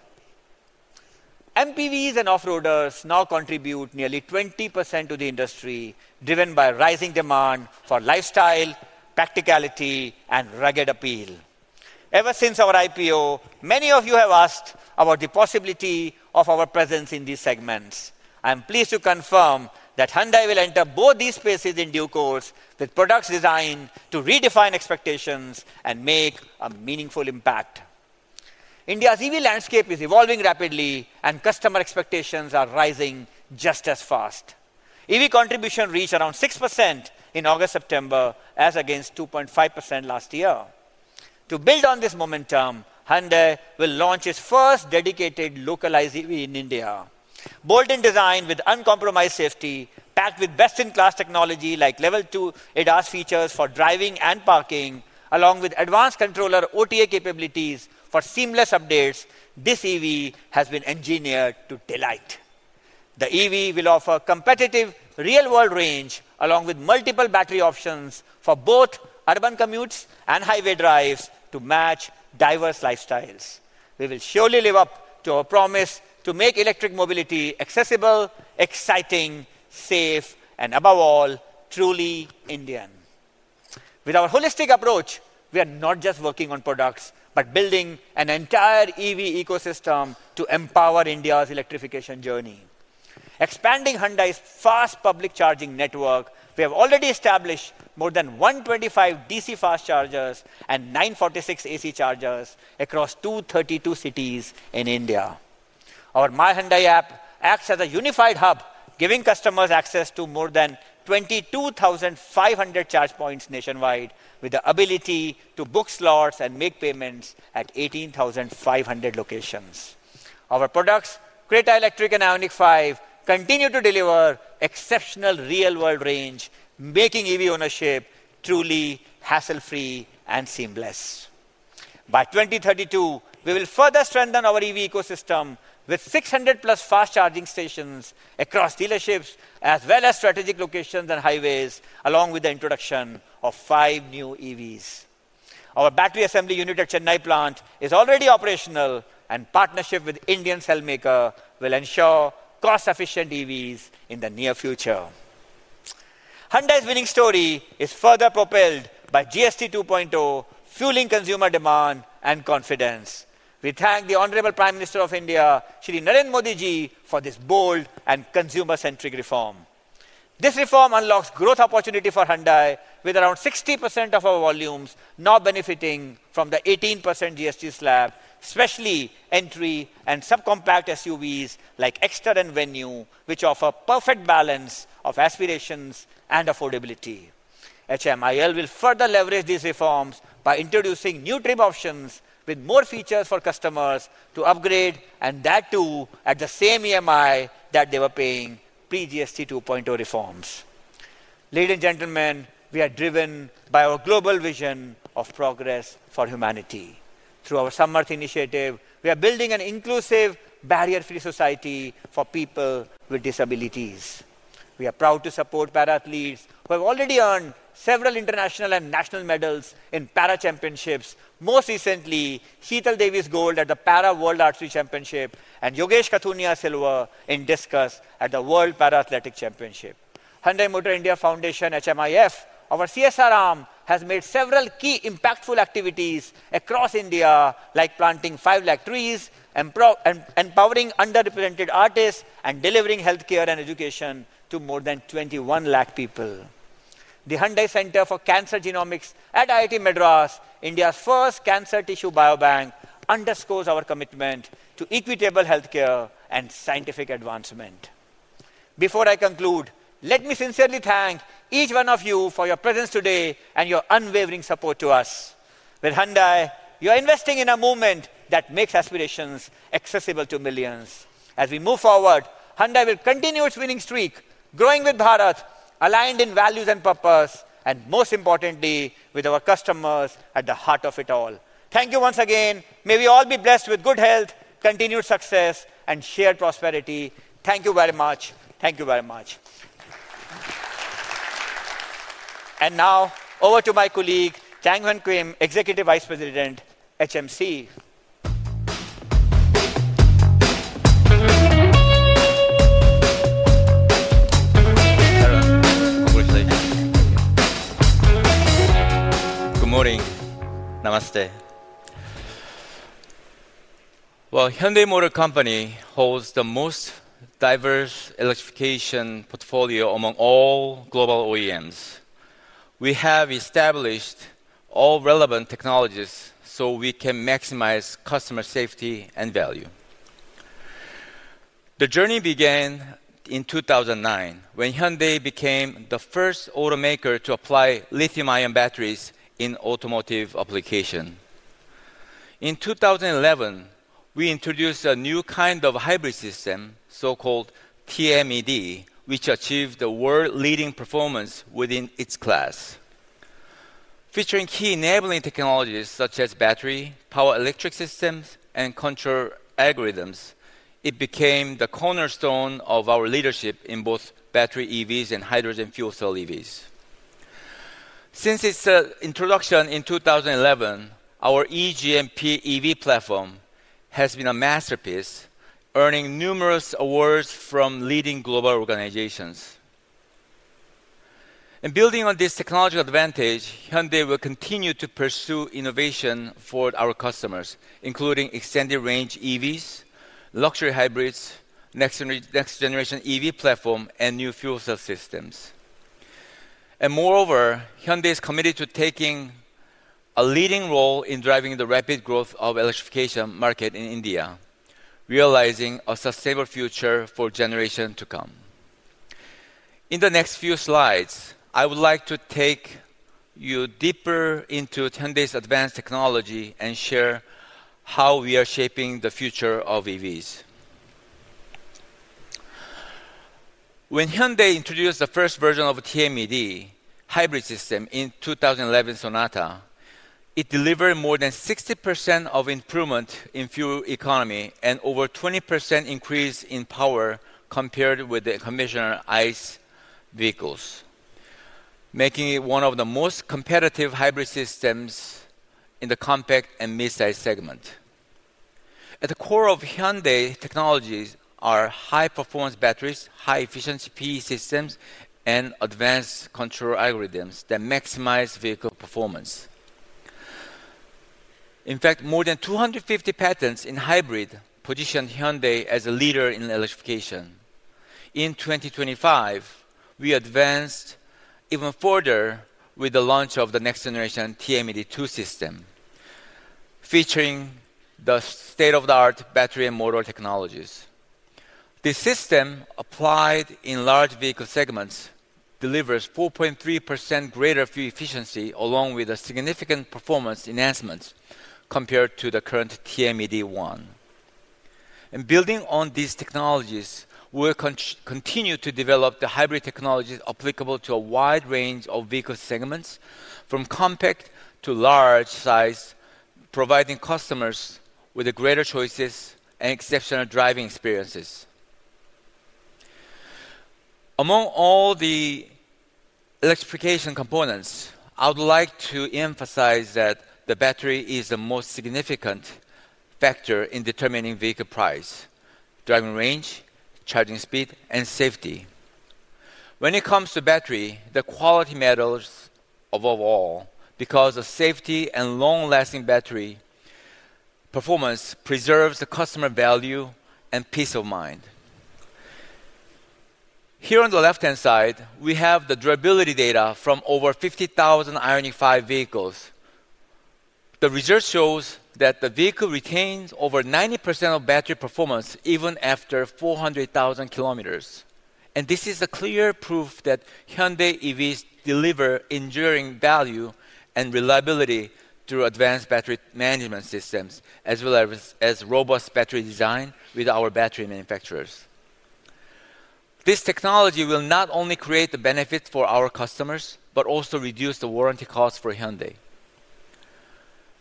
MPVs and off-roaders now contribute nearly 20% to the industry, driven by rising demand for lifestyle, practicality, and rugged appeal. Ever since our IPO, many of you have asked about the possibility of our presence in these segments. I'm pleased to confirm that Hyundai will enter both these spaces in due course with products designed to redefine expectations and make a meaningful impact. India's EV landscape is evolving rapidly, and customer expectations are rising just as fast. EV contributions reach around 6% in August/September, as against 2.5% last year. To build on this momentum, Hyundai will launch its first dedicated localized EV in India. Bold in design, with uncompromised safety, packed with best-in-class technology like level two ADAS features for driving and parking, along with advanced controller OTA capabilities for seamless updates, this EV has been engineered to delight. The EV will offer a competitive real-world range, along with multiple battery options for both urban commutes and highway drives to match diverse lifestyles. We will surely live up to our promise to make electric mobility accessible, exciting, safe, and above all, truly Indian. With our holistic approach, we are not just working on products, but building an entire EV ecosystem to empower India's electrification journey. Expanding Hyundai's fast public charging network, we have already established more than 125 DC fast chargers and 946 AC chargers across 232 cities in India. Our myHyundai app acts as a unified hub, giving customers access to more than 22,500 charge points nationwide, with the ability to book slots and make payments at 18,500 locations. Our products, Creta Electric and IONIQ 5, continue to deliver exceptional real-world range, making EV ownership truly hassle-free and seamless. By 2032, we will further strengthen our EV ecosystem with 600+ fast charging stations across dealerships, as well as strategic locations and highways, along with the introduction of five new EVs. Our battery assembly unit at Chennai plant is already operational, and partnership with Indian cell maker will ensure cost-efficient EVs in the near future. Hyundai's winning story is further propelled by GST 2.0, fueling consumer demand and confidence. We thank the Honorable Prime Minister of India, Shri Narendra Modi Ji, for this bold and consumer-centric reform. This reform unlocks growth opportunity for Hyundai, with around 60% of our volumes now benefiting from the 18% GST slab, especially entry and subcompact SUVs like Exter and Venue, which offer a perfect balance of aspirations and affordability. HMIL will further leverage these reforms by introducing new trim options with more features for customers to upgrade and add to at the same EMI that they were paying pre-GST 2.0 reforms. Ladies and gentlemen, we are driven by our global vision of progress for humanity. Through our Samarth initiative, we are building an inclusive, barrier-free society for people with disabilities. We are proud to support para-athletes who have already earned several international and national medals in para championships, most recently Hital Devi's gold at the Para World Archery Championship and Yogesh Kathunya's silver in discus at the World Para-Athletic Championship. Hyundai Motor India Foundation, HMIF, our CSR arm, has made several key impactful activities across India, like planting 500,000 trees, empowering underrepresented artists, and delivering health care and education to more than 2.1 million people. The Hyundai Center for Cancer Genomics at IIT Madras, India's first cancer tissue biobank, underscores our commitment to equitable health care and scientific advancement. Before I conclude, let me sincerely thank each one of you for your presence today and your unwavering support to us. With Hyundai, you are investing in a movement that makes aspirations accessible to millions. As we move forward, Hyundai will continue its winning streak, growing with Bharat, aligned in values and purpose, and most importantly, with our customers at the heart of it all. Thank you once again. May we all be blessed with good health, continued success, and shared prosperity. Thank you very much. Thank you very much. Now, over to my colleague, Jang Hwan Kim, Executive Vice President, HMC. Good morning. Namaste. Hyundai Motor Company holds the most diverse electrification portfolio among all global OEMs. We have established all relevant technologies so we can maximize customer safety and value. The journey began in 2009, when Hyundai became the first automaker to apply lithium-ion batteries in automotive applications. In 2011, we introduced a new kind of hybrid system, so-called TMED, which achieved the world-leading performance within its class. Featuring key enabling technologies such as battery, power-electric systems, and control algorithms, it became the cornerstone of our leadership in both battery EVs and hydrogen fuel cell EVs. Since its introduction in 2011, our E-GMP EV platform has been a masterpiece, earning numerous awards from leading global organizations. Building on this technological advantage, Hyundai will continue to pursue innovation for our customers, including extended-range EVs, luxury hybrids, next-generation EV platform, and new fuel cell systems. Moreover, Hyundai is committed to taking a leading role in driving the rapid growth of the electrification market in India, realizing a sustainable future for generations to come. In the next few slides, I would like to take you deeper into Hyundai's advanced technology and share how we are shaping the future of EVs. When Hyundai introduced the first version of TMED hybrid system in 2011 Sonata, it delivered more than 60% of improvement in fuel economy and over a 20% increase in power compared with the conventional ICE vehicles, making it one of the most competitive hybrid systems in the compact and mid-size segment. At the core of Hyundai technologies are high-performance batteries, high-efficiency PE systems, and advanced control algorithms that maximize vehicle performance. In fact, more than 250 patents in hybrid position Hyundai as a leader in electrification. In 2025, we advanced even further with the launch of the next-generation TMED II system, featuring the state-of-the-art battery and motor technologies. This system, applied in large vehicle segments, delivers 4.3% greater fuel efficiency, along with significant performance enhancements compared to the current TMED I. Building on these technologies, we will continue to develop the hybrid technologies applicable to a wide range of vehicle segments, from compact to large size, providing customers with greater choices and exceptional driving experiences. Among all the electrification components, I would like to emphasize that the battery is the most significant factor in determining vehicle price, driving range, charging speed, and safety. When it comes to battery, the quality matters above all because safety and long-lasting battery performance preserve the customer value and peace of mind. Here on the left-hand side, we have the durability data from over 50,000 IONIQ 5 vehicles. The research shows that the vehicle retains over 90% of battery performance even after 400,000 km. This is a clear proof that Hyundai EVs deliver enduring value and reliability through advanced battery management systems, as well as robust battery design with our battery manufacturers. This technology will not only create the benefits for our customers, but also reduce the warranty costs for Hyundai.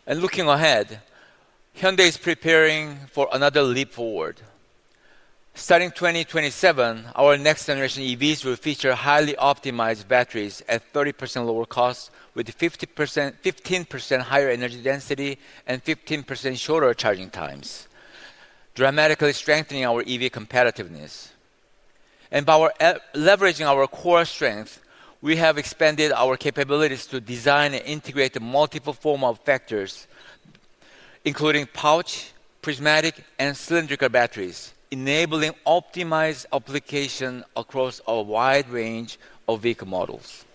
Looking ahead, Hyundai is preparing for another leap forward. Starting 2027, our next-generation EVs will feature highly optimized batteries at 30% lower cost, with 15% higher energy density and 15% shorter charging times, dramatically strengthening our EV competitiveness. By leveraging our core strengths, we have expanded our capabilities to design and integrate multiple forms of factors, including pouch, prismatic, and cylindrical batteries, enabling optimized application across a wide range of vehicle models.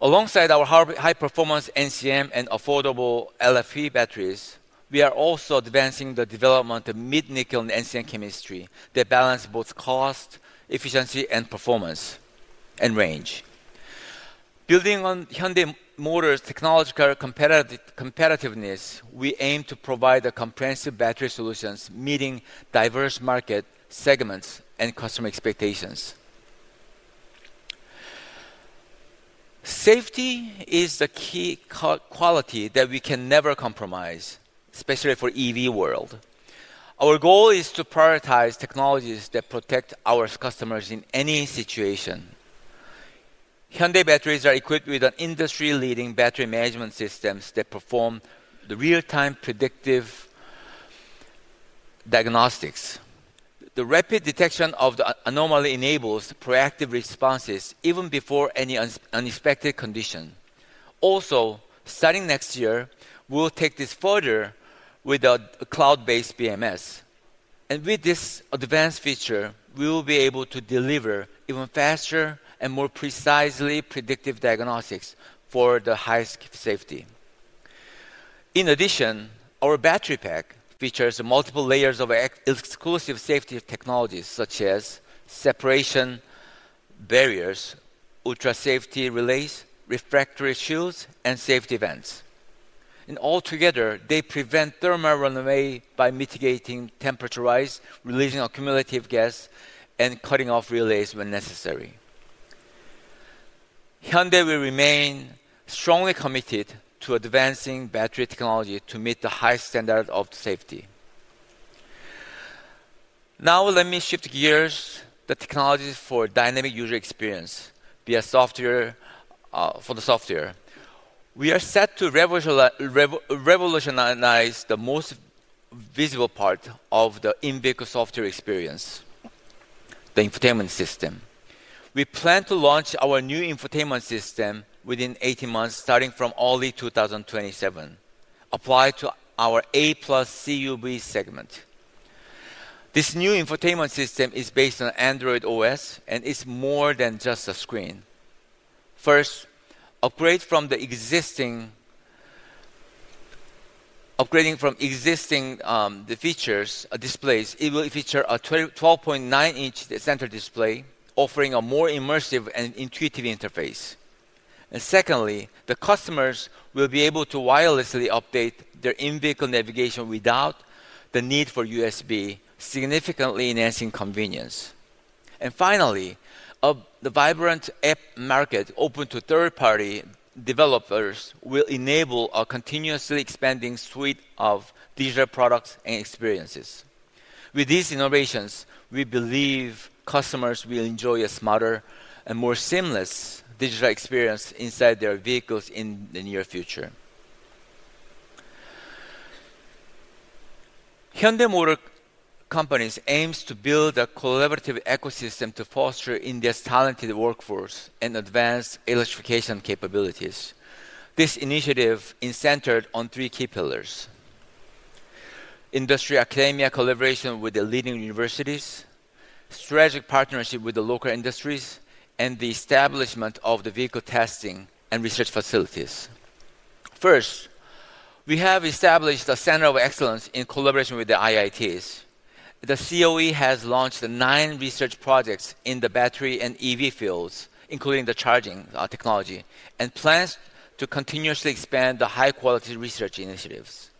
Alongside our high-performance NCM and affordable LFP batteries, we are also advancing the development of mid-nickel NCM chemistry that balances both cost, efficiency, performance, and range. Building on Hyundai Motor's technological competitiveness, we aim to provide comprehensive battery solutions meeting diverse market segments and customer expectations. Safety is the key quality that we can never compromise, especially for the EV world. Our goal is to prioritize technologies that protect our customers in any situation. Hyundai batteries are equipped with industry-leading battery management systems that perform real-time predictive diagnostics. The rapid detection of the anomaly enables proactive responses even before any unexpected condition. Also, starting next year, we'll take this further with a cloud-based BMS. With this advanced feature, we will be able to deliver even faster and more precisely predictive diagnostics for the highest safety. In addition, our battery pack features multiple layers of exclusive safety technologies such as separation barriers, ultra-safety relays, refractory shields, and safety vents. Altogether, they prevent thermal runaway by mitigating temperature rise, releasing accumulative gas, and cutting off relays when necessary. Hyundai will remain strongly committed to advancing battery technology to meet the highest standard of safety. Now, let me shift gears. The technology for dynamic user experience for the software. We are set to revolutionize the most visible part of the in-vehicle software experience, the infotainment system. We plan to launch our new infotainment system within 18 months, starting from early 2027, applied to our A+ CUV segment. This new infotainment system is based on Android OS, and it's more than just a screen. First, upgrading from existing features and displays, it will feature a 12.9-inch center display, offering a more immersive and intuitive interface. Secondly, the customers will be able to wirelessly update their in-vehicle navigation without the need for USB, significantly enhancing convenience. Finally, the vibrant app market open to third-party developers will enable a continuously expanding suite of digital products and experiences. With these innovations, we believe customers will enjoy a smarter and more seamless digital experience inside their vehicles in the near future. Hyundai Motor Company aims to build a collaborative ecosystem to foster India's talented workforce and advance electrification capabilities. This initiative is centered on three key pillars: industry academia collaboration with the leading universities, strategic partnership with the local industries, and the establishment of the vehicle testing and research facilities. First, we have established a center of excellence in collaboration with the IITs. The COE has launched nine research projects in the battery and EV fields, including the charging technology, and plans to continuously expand the high-quality research initiatives.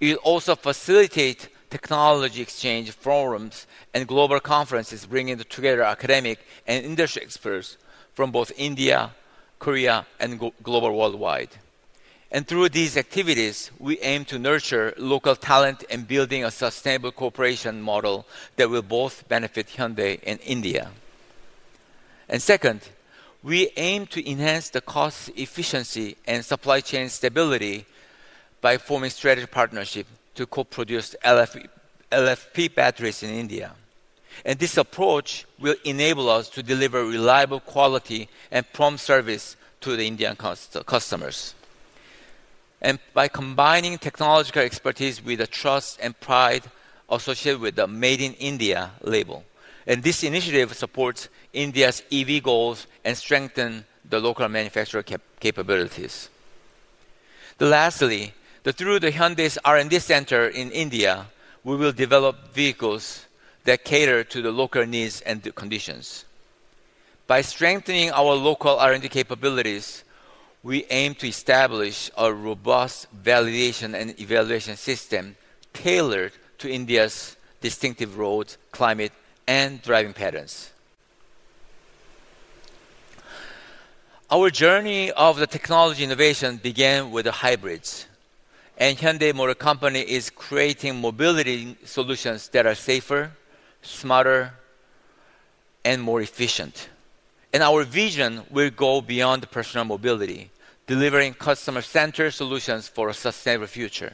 It will also facilitate technology exchange forums and global conferences, bringing together academic and industry experts from India, Korea, and worldwide. Through these activities, we aim to nurture local talent and build a sustainable cooperation model that will both benefit Hyundai and India. Second, we aim to enhance the cost efficiency and supply chain stability by forming strategic partnerships to co-produce LFP batteries in India. This approach will enable us to deliver reliable quality and prompt service to the Indian customers. By combining technological expertise with the trust and pride associated with the Made in India label, this initiative supports India's EV goals and strengthens the local manufacturer capabilities. Lastly, through Hyundai's R&D center in India, we will develop vehicles that cater to the local needs and conditions. By strengthening our local R&D capabilities, we aim to establish a robust validation and evaluation system tailored to India's distinctive roads, climate, and driving patterns. Our journey of technology innovation began with hybrids, and Hyundai Motor Company is creating mobility solutions that are safer, smarter, and more efficient. Our vision will go beyond personal mobility, delivering customer-centered solutions for a sustainable future.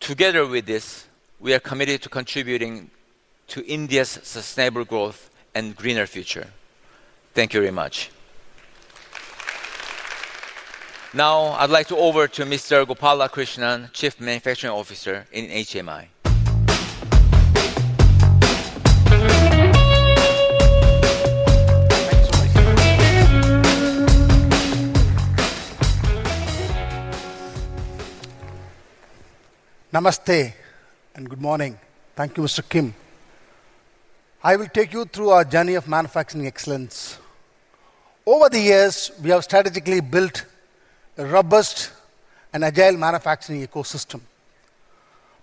Together with this, we are committed to contributing to India's sustainable growth and greener future. Thank you very much. Now, I'd like to hand over to Mr. Gopal Krishnan, Chief Manufacturing Officer in HMI. Namaste, and good morning. Thank you, Mr. Kim. I will take you through our journey of manufacturing excellence. Over the years, we have strategically built a robust and agile manufacturing ecosystem.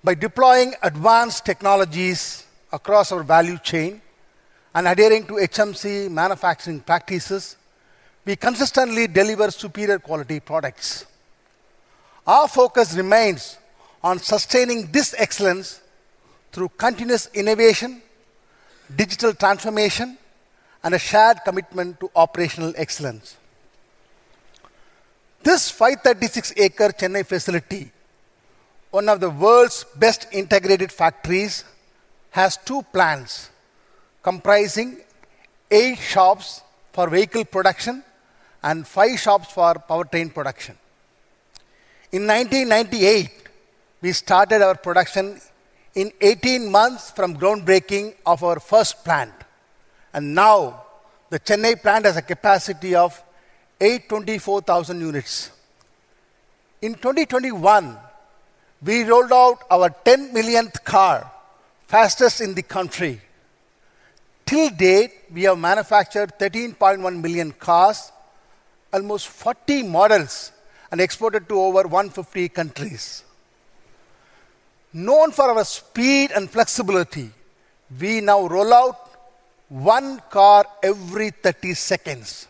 By deploying advanced technologies across our value chain and adhering to Hyundai Motor Company manufacturing practices, we consistently deliver superior quality products. Our focus remains on sustaining excellence. Through continuous innovation, digital transformation, and a shared commitment to operational excellence, this 536-acre Chennai facility, one of the world's best integrated factories, has two plants comprising eight shops for vehicle production and five shops for powertrain production. In 1998, we started our production in 18 months from groundbreaking of our first plant. The Chennai plant now has a capacity of 824,000 units. In 2021, we rolled out our 10 millionth car, fastest in the country. Till date, we have manufactured 13.1 million cars, almost 40 models, and exported to over 150 countries. Known for our speed and flexibility, we now roll out one car every 30 seconds.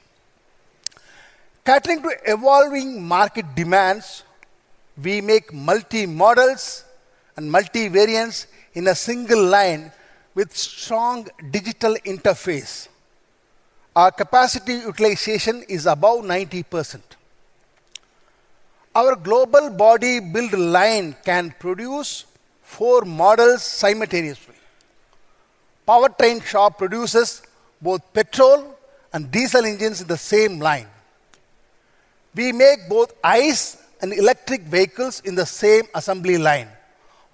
Catering to evolving market demands, we make multi-models and multi-variants in a single line with strong digital interface. Our capacity utilization is about 90%. Our global body-build line can produce four models simultaneously. Our train shop produces both petrol and diesel engines in the same line. We make both ICE and electric vehicles in the same assembly line,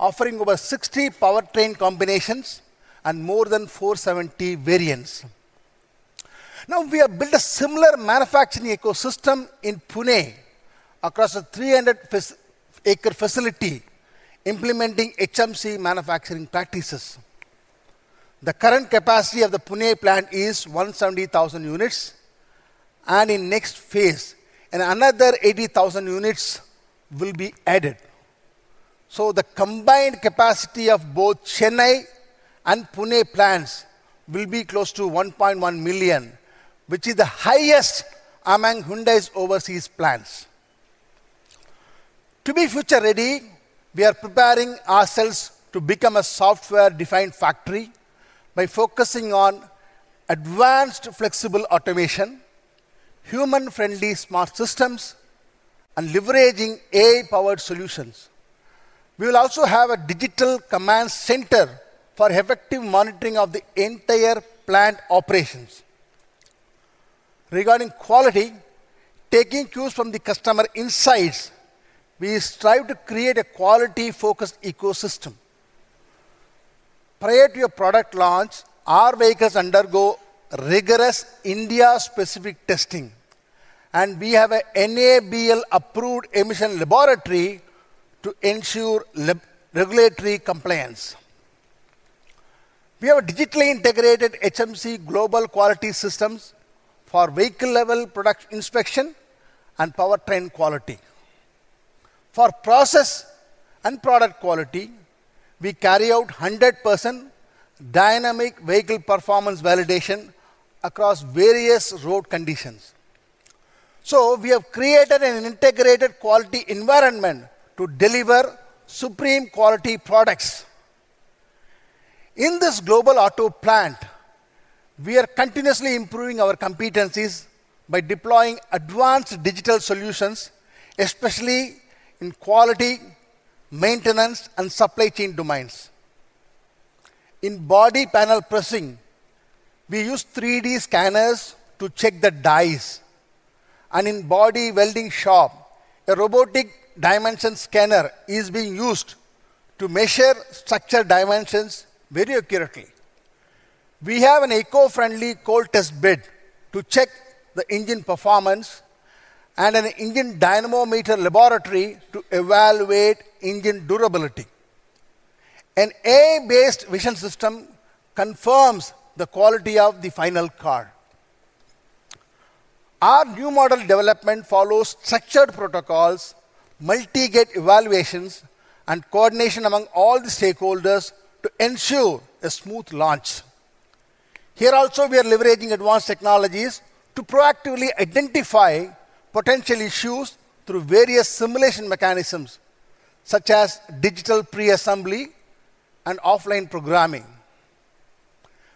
offering over 60 powertrain combinations and more than 470 variants. We have built a similar manufacturing ecosystem in Pune across a 300-acre facility, implementing HMC manufacturing practices. The current capacity of the Pune plant is 170,000 units, and in the next phase, another 80,000 units will be added. The combined capacity of both Chennai and Pune plants will be close to 1.1 million, which is the highest among Hyundai's overseas plants. To be future-ready, we are preparing ourselves to become a software-defined factory by focusing on advanced flexible automation, human-friendly smart systems, and leveraging AI-powered solutions. We will also have a digital command center for effective monitoring of the entire plant operations. Regarding quality, taking cues from the customer insights, we strive to create a quality-focused ecosystem. Prior to a product launch, our vehicles undergo rigorous India-specific testing, and we have an NABL-approved emission laboratory to ensure regulatory compliance. We have a digitally integrated HMC global quality systems for vehicle-level production inspection and powertrain quality. For process and product quality, we carry out 100% dynamic vehicle performance validation across various road conditions. We have created an integrated quality environment to deliver supreme quality products. In this global auto plant, we are continuously improving our competencies by deploying advanced digital solutions, especially in quality, maintenance, and supply chain domains. In body panel pressing, we use 3D scanners to check the dies, and in body welding shop, a robotic dimension scanner is being used to measure structure dimensions very accurately. We have an eco-friendly cold test bed to check the engine performance and an engine dynamometer laboratory to evaluate engine durability. An AI-based vision system confirms the quality of the final car. Our new model development follows structured protocols, multi-gate evaluations, and coordination among all the stakeholders to ensure a smooth launch. Here also, we are leveraging advanced technologies to proactively identify potential issues through various simulation mechanisms, such as digital pre-assembly and offline programming.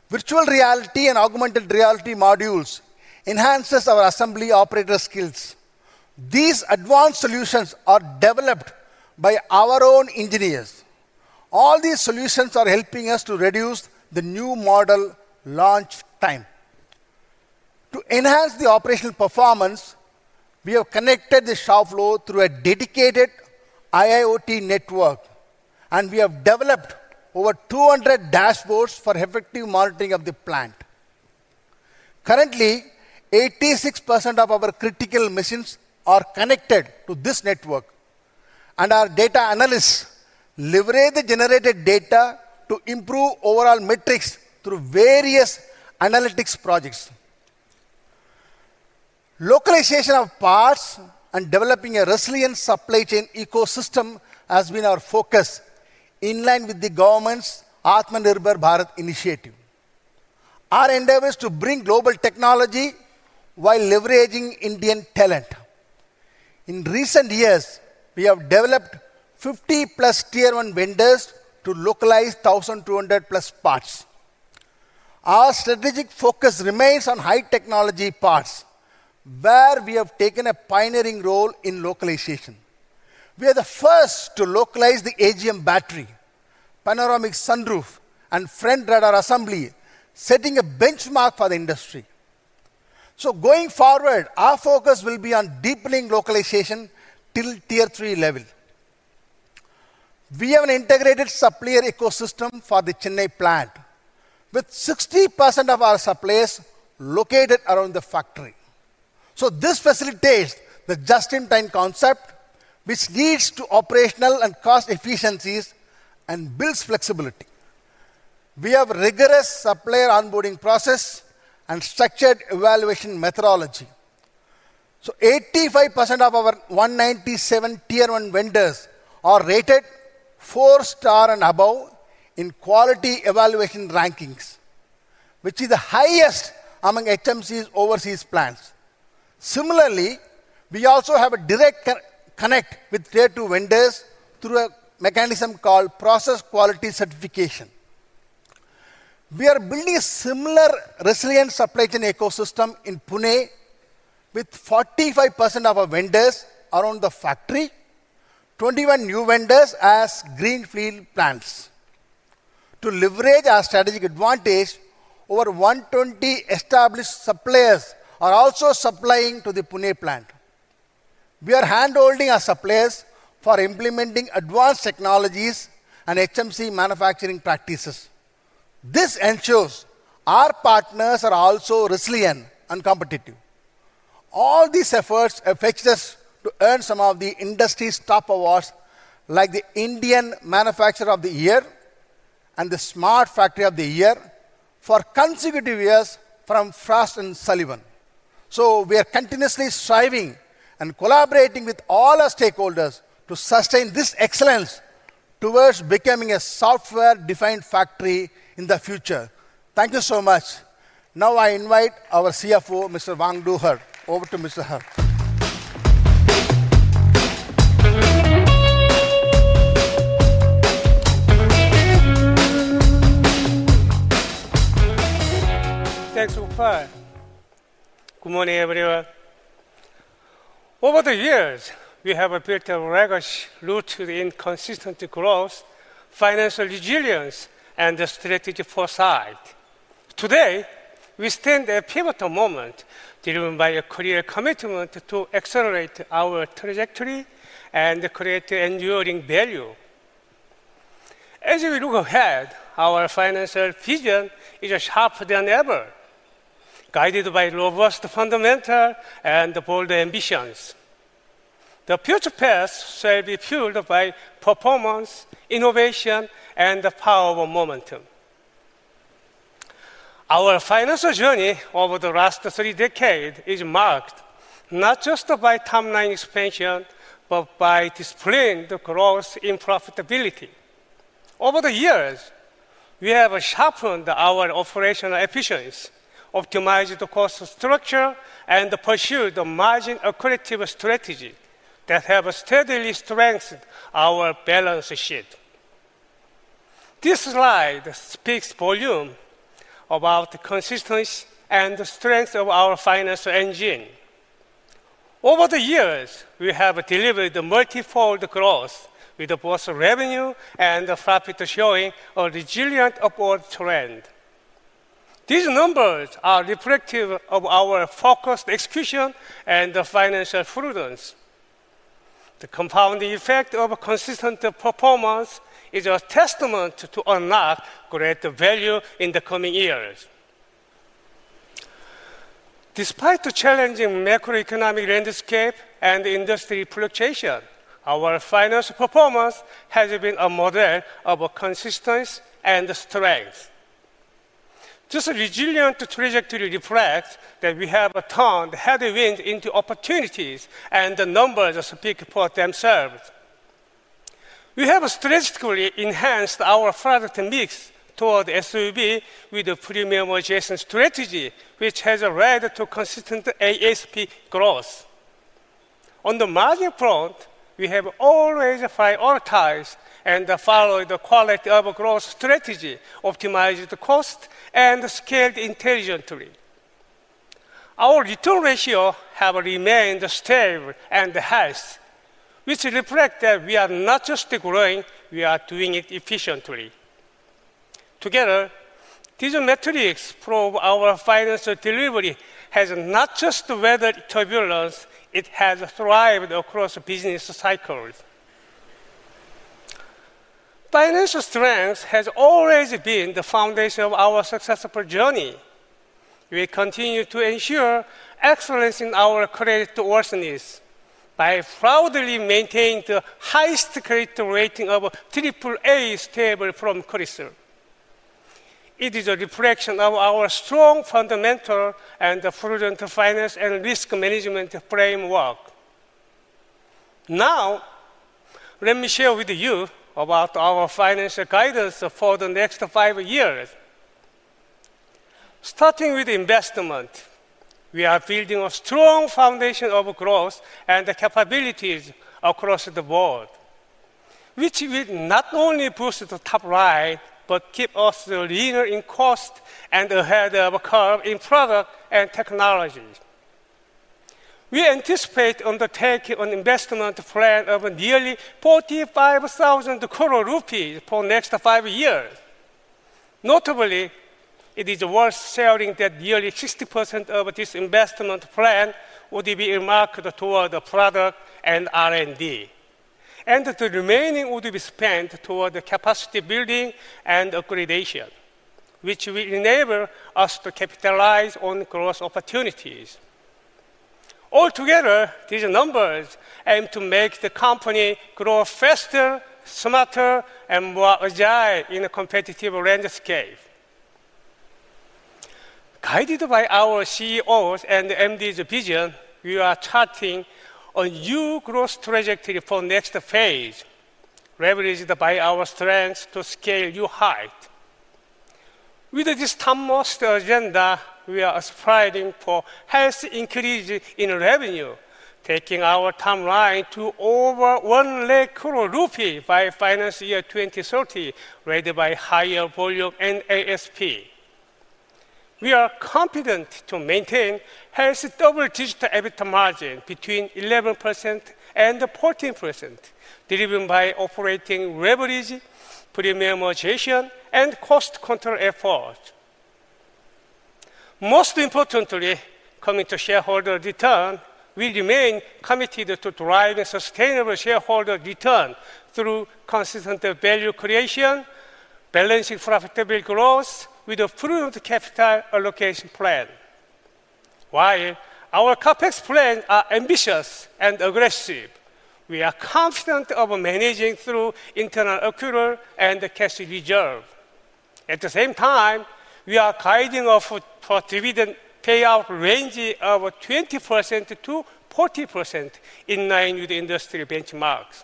Virtual reality and augmented reality modules enhance our assembly operator skills. These advanced solutions are developed by our own engineers. All these solutions are helping us to reduce the new model launch time. To enhance the operational performance, we have connected the shop floor through a dedicated IIoT network, and we have developed over 200 dashboards for effective monitoring of the plant. Currently, 86% of our critical missions are connected to this network, and our data analysts leverage the generated data to improve overall metrics through various analytics projects. Localization of parts and developing a resilient supply chain ecosystem has been our focus, in line with the government's Atmanirbhar Bharat initiative. Our endeavor is to bring global technology while leveraging Indian talent. In recent years, we have developed 50+ tier-1 vendors to localize 1,200+ parts. Our strategic focus remains on high-technology parts, where we have taken a pioneering role in localization. We are the first to localize the AGM battery, panoramic sunroof, and front radar assembly, setting a benchmark for the industry. Going forward, our focus will be on deepening localization till tier-3 level. We have an integrated supplier ecosystem for the Chennai plant, with 60% of our suppliers located around the factory. This facilitates the just-in-time concept, which leads to operational and cost efficiencies and builds flexibility. We have a rigorous supplier onboarding process and structured evaluation methodology. 85% of our 197 tier 1 vendors are rated four-star and above in quality evaluation rankings, which is the highest among HMC's overseas plants. Similarly, we also have a direct connection with tier 2 vendors through a mechanism called process quality certification. We are building a similar resilient supply chain ecosystem in Pune, with 45% of our vendors around the factory, 21 new vendors as greenfield plants. To leverage our strategic advantage, over 120 established suppliers are also supplying to the Pune plant. We are handholding our suppliers for implementing advanced technologies and HMC manufacturing practices. This ensures our partners are also resilient and competitive. All these efforts effect us to earn some of the industry's top awards, like the Indian Manufacturer of the Year and the Smart Factory of the Year for consecutive years from Frost and Sullivan. We are continuously striving and collaborating with all our stakeholders to sustain this excellence towards becoming a software-defined factory in the future. Thank you so much. Now I invite our CFO, Mr. Wangdo Hur. Over to Mr. Hur. Thanks, sir. Good morning, everyone. Over the years, we have appeared to have a rigorous route through the inconsistent growth, financial resilience, and strategic foresight. Today, we stand at a pivotal moment, driven by a clear commitment to accelerate our trajectory and create enduring value. As we look ahead, our financial vision is as sharp as ever, guided by robust fundamentals and bold ambitions. The future paths shall be fueled by performance, innovation, and the power of momentum. Our financial journey over the last three decades is marked not just by timeline expansion but by displaying the growth in profitability. Over the years, we have sharpened our operational efficiency, optimized the cost structure, and pursued a margin-equitative strategy that has steadily strengthened our balance sheet. This slide speaks volumes about the consistency and strength of our financial engine. Over the years, we have delivered multifold growth, with both revenue and profit showing a resilient upward trend. These numbers are reflective of our focused execution and financial fluidness. The compounding effect of consistent performance is a testament to unlock greater value in the coming years. Despite the challenging macroeconomic landscape and industry fluctuation, our financial performance has been a model of consistency and strength. This resilient trajectory reflects that we have turned the headwind into opportunities, and the numbers speak for themselves. We have strategically enhanced our product mix toward SUV, with a premium adjacent strategy, which has led to consistent ASP growth. On the margin front, we have always prioritized and followed a quality-over-growth strategy, optimized cost, and scaled intelligently. Our return ratio has remained stable and high, which reflects that we are not just growing; we are doing it efficiently. Together, these metrics prove our financial delivery has not just weathered turbulence; it has thrived across business cycles. Financial strength has always been the foundation of our successful journey. We continue to ensure excellence in our creditworthiness by proudly maintaining the highest credit rating of AAA stable from CRISIL. It is a reflection of our strong fundamental and fluid finance and risk management framework. Now, let me share with you about our financial guidance for the next five years. Starting with investment, we are building a strong foundation of growth and capabilities across the board, which will not only boost the top line but keep us leaner in cost and ahead of the curve in product and technology. We anticipate undertaking an investment plan of nearly 45,000 crore rupees for the next five years. Notably, it is worth sharing that nearly 60% of this investment plan will be remarked toward the product and R&D, and the remaining will be spent toward capacity building and accreditation, which will enable us to capitalize on growth opportunities. Altogether, these numbers aim to make the company grow faster, smarter, and more agile in a competitive landscape. Guided by our CEOs' and MDs' vision, we are charting a new growth trajectory for the next phase, leveraged by our strength to scale new heights. With this taskmaster agenda, we are striving for a healthy increase in revenue, taking our timeline to over 1 lakh crore rupee by financial year 2030, ready by higher volume and ASP. We are confident to maintain a healthy double-digit EBITDA margin between 11% and 14%, driven by operating leverage, premium adjacent, and cost control efforts. Most importantly, coming to shareholder return, we remain committed to driving sustainable shareholder return through consistent value creation, balancing profitable growth with a fluid capital allocation plan. While our CapEx plans are ambitious and aggressive, we are confident of managing through internal accrual and cash reserve. At the same time, we are guiding our foot for dividend payout range of 20%-40%, in line with industry benchmarks.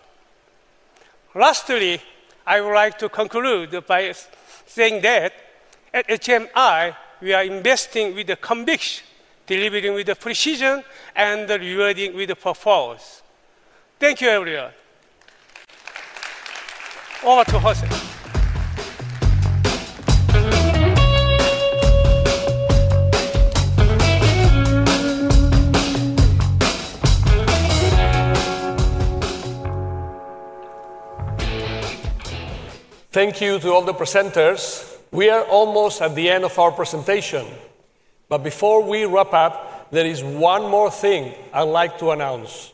Lastly, I would like to conclude by saying that at HMI, we are investing with conviction, delivering with precision, and rewarding with performance. Thank you, everyone. Over to Jose. Thank you to all the presenters. We are almost at the end of our presentation. Before we wrap up, there is one more thing I'd like to announce.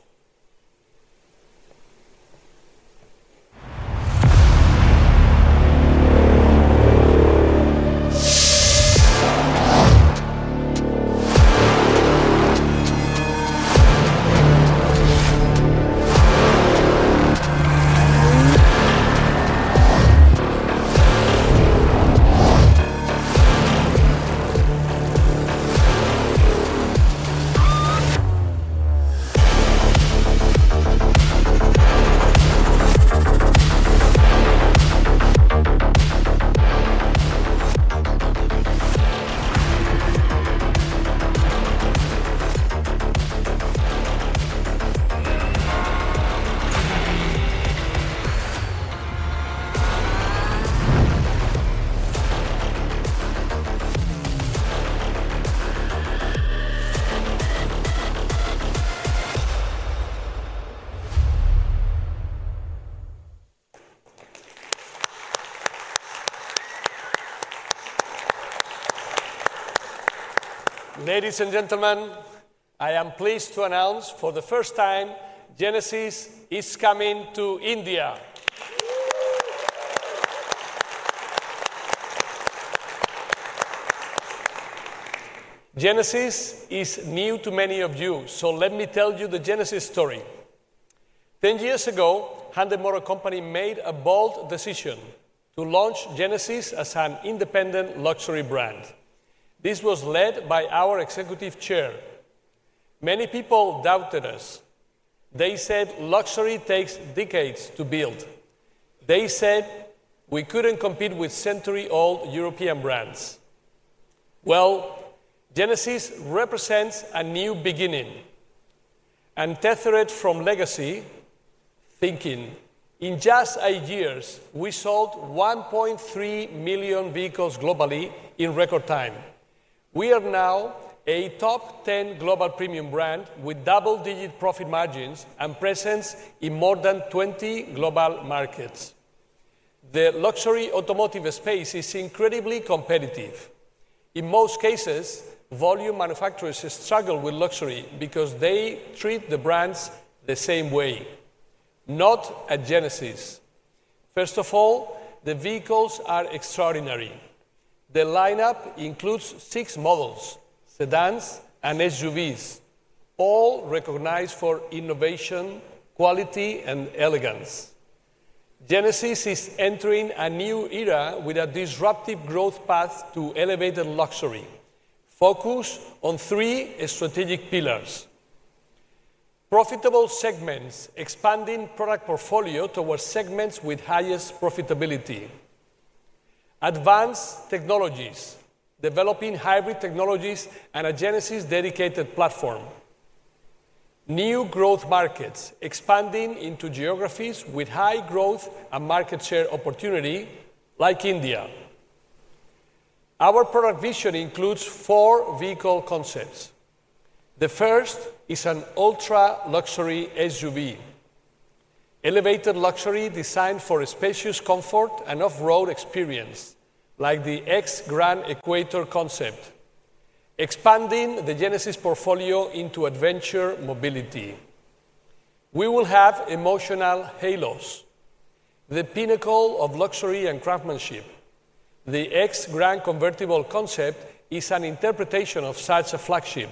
Ladies and gentlemen, I am pleased to announce for the first time, Genesis is coming to India. Genesis is new to many of you, so let me tell you the Genesis story. 10 years ago, Hyundai Motor Company made a bold decision to launch Genesis as an independent luxury brand. This was led by our Executive Chair. Many people doubted us. They said luxury takes decades to build. They said we couldn't compete with century-old European brands. Genesis represents a new beginning. Untethered from legacy thinking, in just eight years, we sold 1.3 million vehicles globally in record time. We are now a top 10 global premium brand with double-digit profit margins and presence in more than 20 global markets. The luxury automotive space is incredibly competitive. In most cases, volume manufacturers struggle with luxury because they treat the brands the same way, not at Genesis. First of all, the vehicles are extraordinary. The lineup includes six models: sedans and SUVs, all recognized for innovation, quality, and elegance. Genesis is entering a new era with a disruptive growth path to elevated luxury, focused on three strategic pillars: profitable segments, expanding product portfolio towards segments with highest profitability; advanced technologies, developing hybrid technologies and a Genesis-dedicated platform; new growth markets, expanding into geographies with high growth and market share opportunity like India. Our product vision includes four vehicle concepts. The first is an ultra-luxury SUV, elevated luxury designed for spacious comfort and off-road experience, like the X Grand Equator concept, expanding the Genesis portfolio into adventure mobility. We will have emotional halos, the pinnacle of luxury and craftsmanship. The X Grand Convertible concept is an interpretation of such a flagship,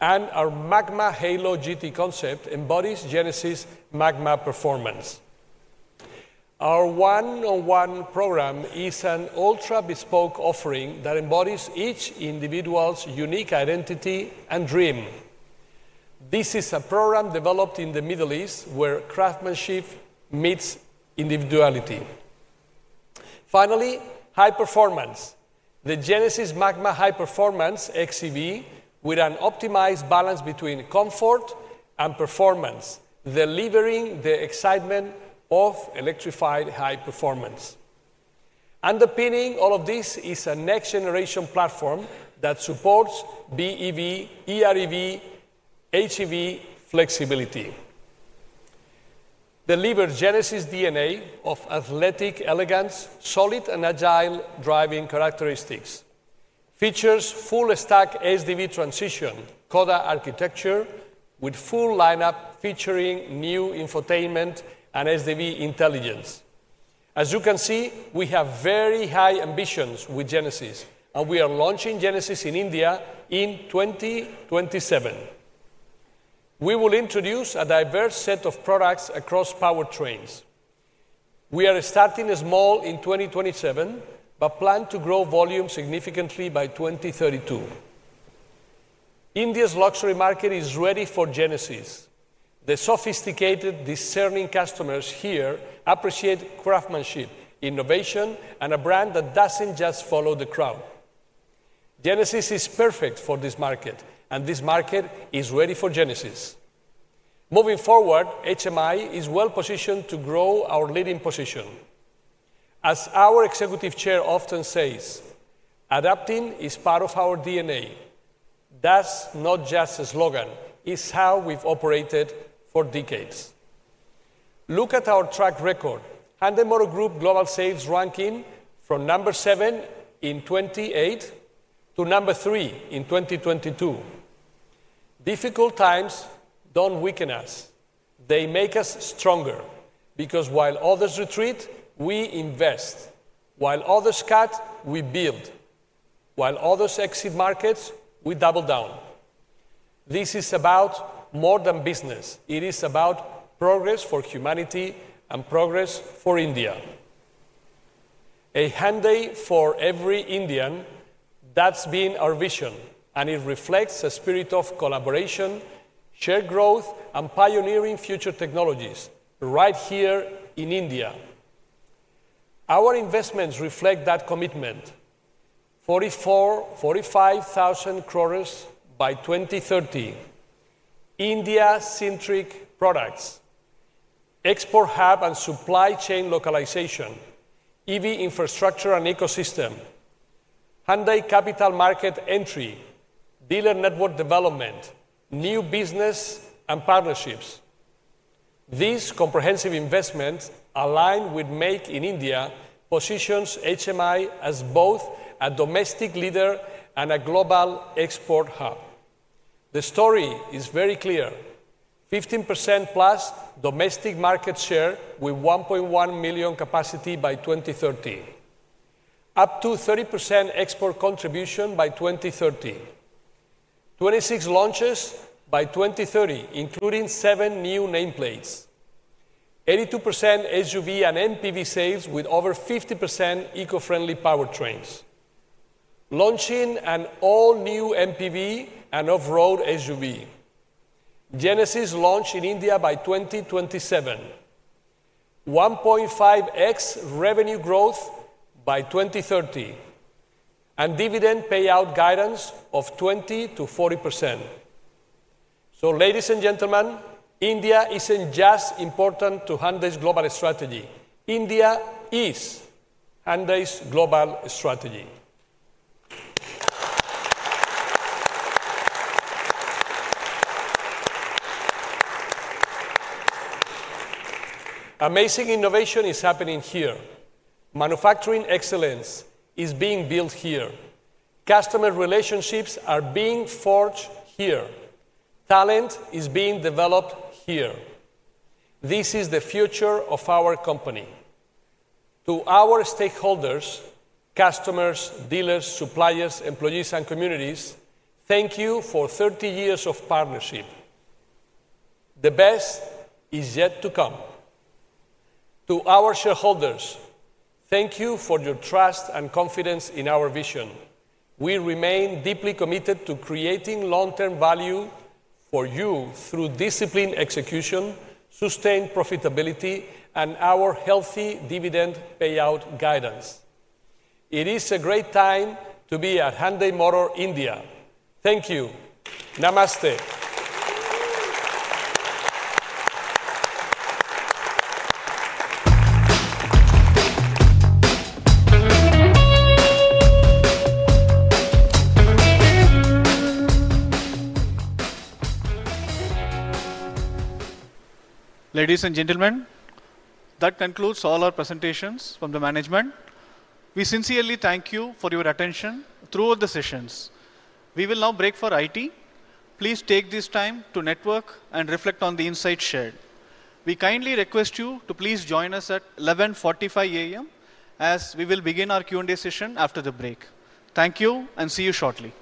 and our Magma Halo GT concept embodies Genesis' magma performance. Our one-on-one program is an ultra-bespoke offering that embodies each individual's unique identity and dream. This is a program developed in the Middle East, where craftsmanship meets individuality. Finally, high performance, the Genesis Magma High Performance XEV, with an optimized balance between comfort and performance, delivering the excitement of electrified high performance. Underpinning all of this is a next-generation platform that supports BEV, EREV, HEV flexibility. Delivers Genesis' DNA of athletic elegance, solid and agile driving characteristics. Features full stack SDV transition, Coda architecture, with full lineup featuring new infotainment and SDV intelligence. As you can see, we have very high ambitions with Genesis, and we are launching Genesis in India in 2027. We will introduce a diverse set of products across powertrains. We are starting small in 2027 but plan to grow volume significantly by 2032. India's luxury market is ready for Genesis. The sophisticated, discerning customers here appreciate craftsmanship, innovation, and a brand that doesn't just follow the crowd. Genesis is perfect for this market, and this market is ready for Genesis. Moving forward, HMIL is well-positioned to grow our leading position. As our Executive Chair often says, adapting is part of our DNA. That's not just a slogan, it's how we've operated for decades. Look at our track record, Hyundai Motor Group global sales ranking from number seven in 2018 to number three in 2022. Difficult times don't weaken us. They make us stronger because while others retreat, we invest. While others cut, we build. While others exit markets, we double down. This is about more than business. It is about progress for humanity and progress for India. A Hyundai for every Indian, that's been our vision, and it reflects a spirit of collaboration, shared growth, and pioneering future technologies right here in India. Our investments reflect that commitment: 44,000 crore-45,000 crores by 2030. India-centric products, export hub and supply chain localization, EV infrastructure and ecosystem, Hyundai Capital market entry, dealer network development, new business, and partnerships. These comprehensive investments aligned with Make in India position HMI as both a domestic leader and a global export hub. The story is very clear: 15%+ domestic market share with 1.1 million capacity by 2030, up to 30% export contribution by 2030, 26 launches by 2030, including seven new nameplates, 82% SUV and MPV sales with over 50% eco-friendly powertrains, launching an all-new MPV and off-road SUV. Genesis launch in India by 2027, 1.5x revenue growth by 2030, and dividend payout guidance of 20%-40%. Ladies and gentlemen, India isn't just important to Hyundai's global strategy. India is Hyundai's global strategy. Amazing innovation is happening here. Manufacturing excellence is being built here. Customer relationships are being forged here. Talent is being developed here. This is the future of our company. To our stakeholders, customers, dealers, suppliers, employees, and communities, thank you for 30 years of partnership. The best is yet to come. To our shareholders, thank you for your trust and confidence in our vision. We remain deeply committed to creating long-term value for you through disciplined execution, sustained profitability, and our healthy dividend payout guidance. It is a great time to be at Hyundai Motor India. Thank you. Namaste. Ladies and gentlemen, that concludes all our presentations from the management. We sincerely thank you for your attention throughout the sessions. We will now break for IT. Please take this time to network and reflect on the insights shared. We kindly request you to please join us at 11:45 A.M., as we will begin our Q&A session after the break. Thank you and see you shortly.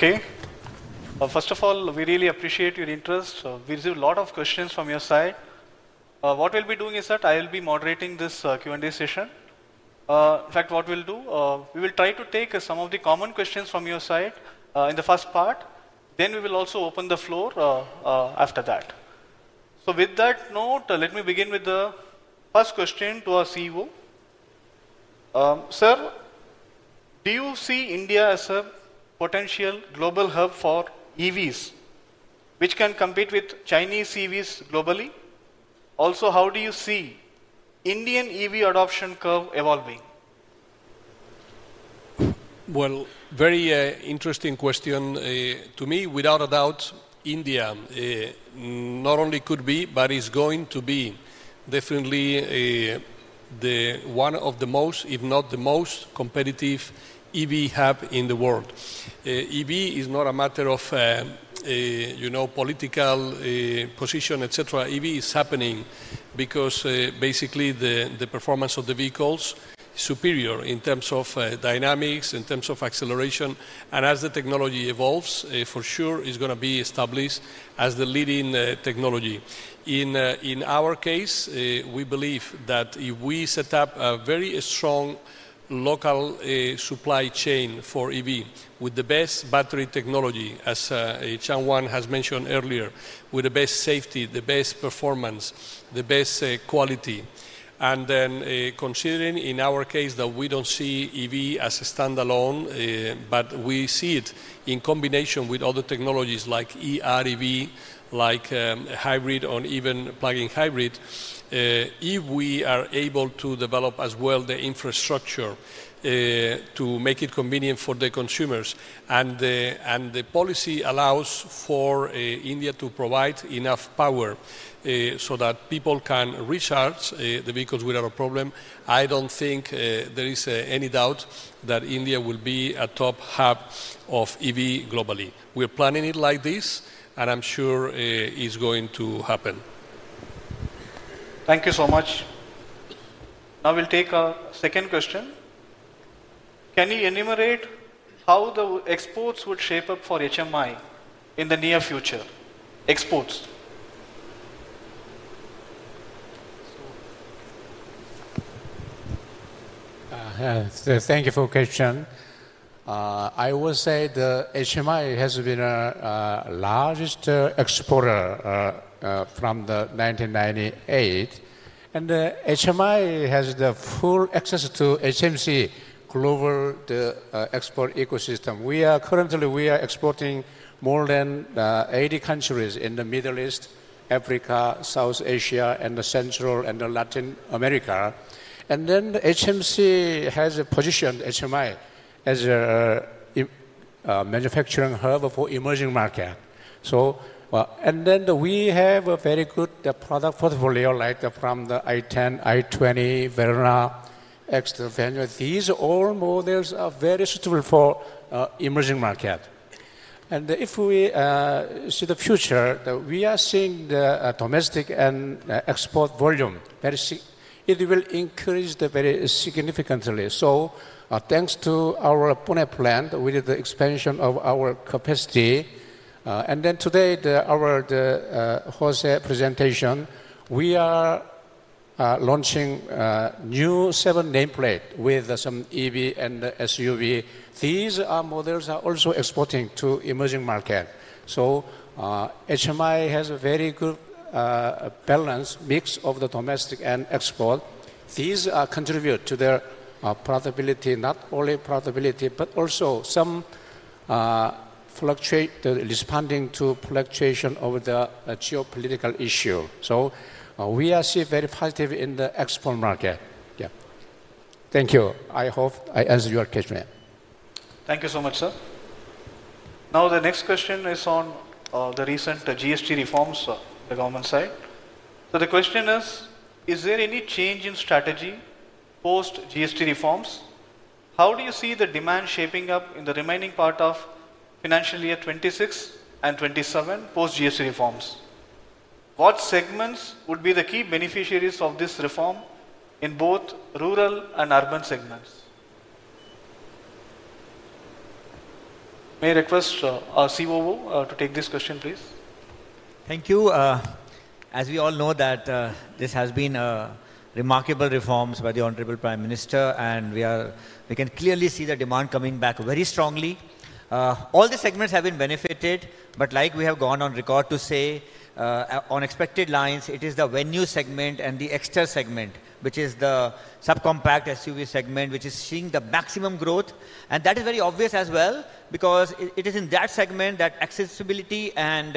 First of all, we really appreciate your interest. We received a lot of questions from your side. What we'll be doing is that I'll be moderating this Q&A session. In fact, what we'll do is try to take some of the common questions from your side in the first part. We will also open the floor after that. With that note, let me begin with the first question to our CEO. Sir, do you see India as a potential global hub for EVs, which can compete with Chinese EVs globally? Also, how do you see the Indian EV adoption curve evolving? India, not only could be, but is going to be definitely one of the most, if not the most, competitive EV hub in the world. EV is not a matter of political position, etc. EV is happening because basically the performance of the vehicles is superior in terms of dynamics, in terms of acceleration. As the technology evolves, for sure it's going to be established as the leading technology. In our case, we believe that if we set up a very strong local supply chain for EV with the best battery technology, as Changhuan has mentioned earlier, with the best safety, the best performance, the best quality, and then considering in our case that we don't see EV as a standalone, but we see it in combination with other technologies like eREV, like hybrid, or even plug-in hybrid, if we are able to develop as well the infrastructure to make it convenient for the consumers and the policy allows for India to provide enough power so that people can recharge the vehicles without a problem, I don't think there is any doubt that India will be a top hub of EV globally. We are planning it like this, and I'm sure it's going to happen. Thank you so much. Now we'll take our second question. Can you enumerate how the exports would shape up for HMI in the near future? Exports? Thank you for the question. I will say that HMI has been our largest exporter from 1998. HMIL has the full access to Hyundai Motor Company global export ecosystem. Currently, we are exporting to more than 80 countries in the Middle East, Africa, South Asia, and Central and Latin America. HMC has positioned HMI as a manufacturing hub for emerging markets. We have a very good product portfolio like the i10, i20, Verna, and Exter. These models are very suitable for emerging markets. If we see the future, we are seeing the domestic and export volume. It will increase very significantly, thanks to our Pune plant with the expansion of our capacity. In today's Jose presentation, we are launching a new seven nameplate with some EV and SUV. These models are also exporting to emerging markets. HMIL has a very good balanced mix of the domestic and export. These contribute to their profitability, not only profitability, but also some fluctuation responding to fluctuation of the geopolitical issue. We are seeing very positive in the export market. Thank you. I hope I answered your question. Thank you so much, sir. Now the next question is on the recent GST reforms on the government side. The question is, is there any change in strategy post-GST reforms? How do you see the demand shaping up in the remaining part of financial year 2026 and 2027 post-GST reforms? What segments would be the key beneficiaries of this reform in both rural and urban segments? May I request our CEO to take this question, please? Thank you. As we all know, this has been remarkable reforms by the Honorable Prime Minister, and we can clearly see the demand coming back very strongly. All the segments have been benefited, like we have gone on record to say, on expected lines, it is the Venue segment and the extra segment, which is the subcompact SUV segment, which is seeing the maximum growth. That is very obvious as well because it is in that segment that accessibility and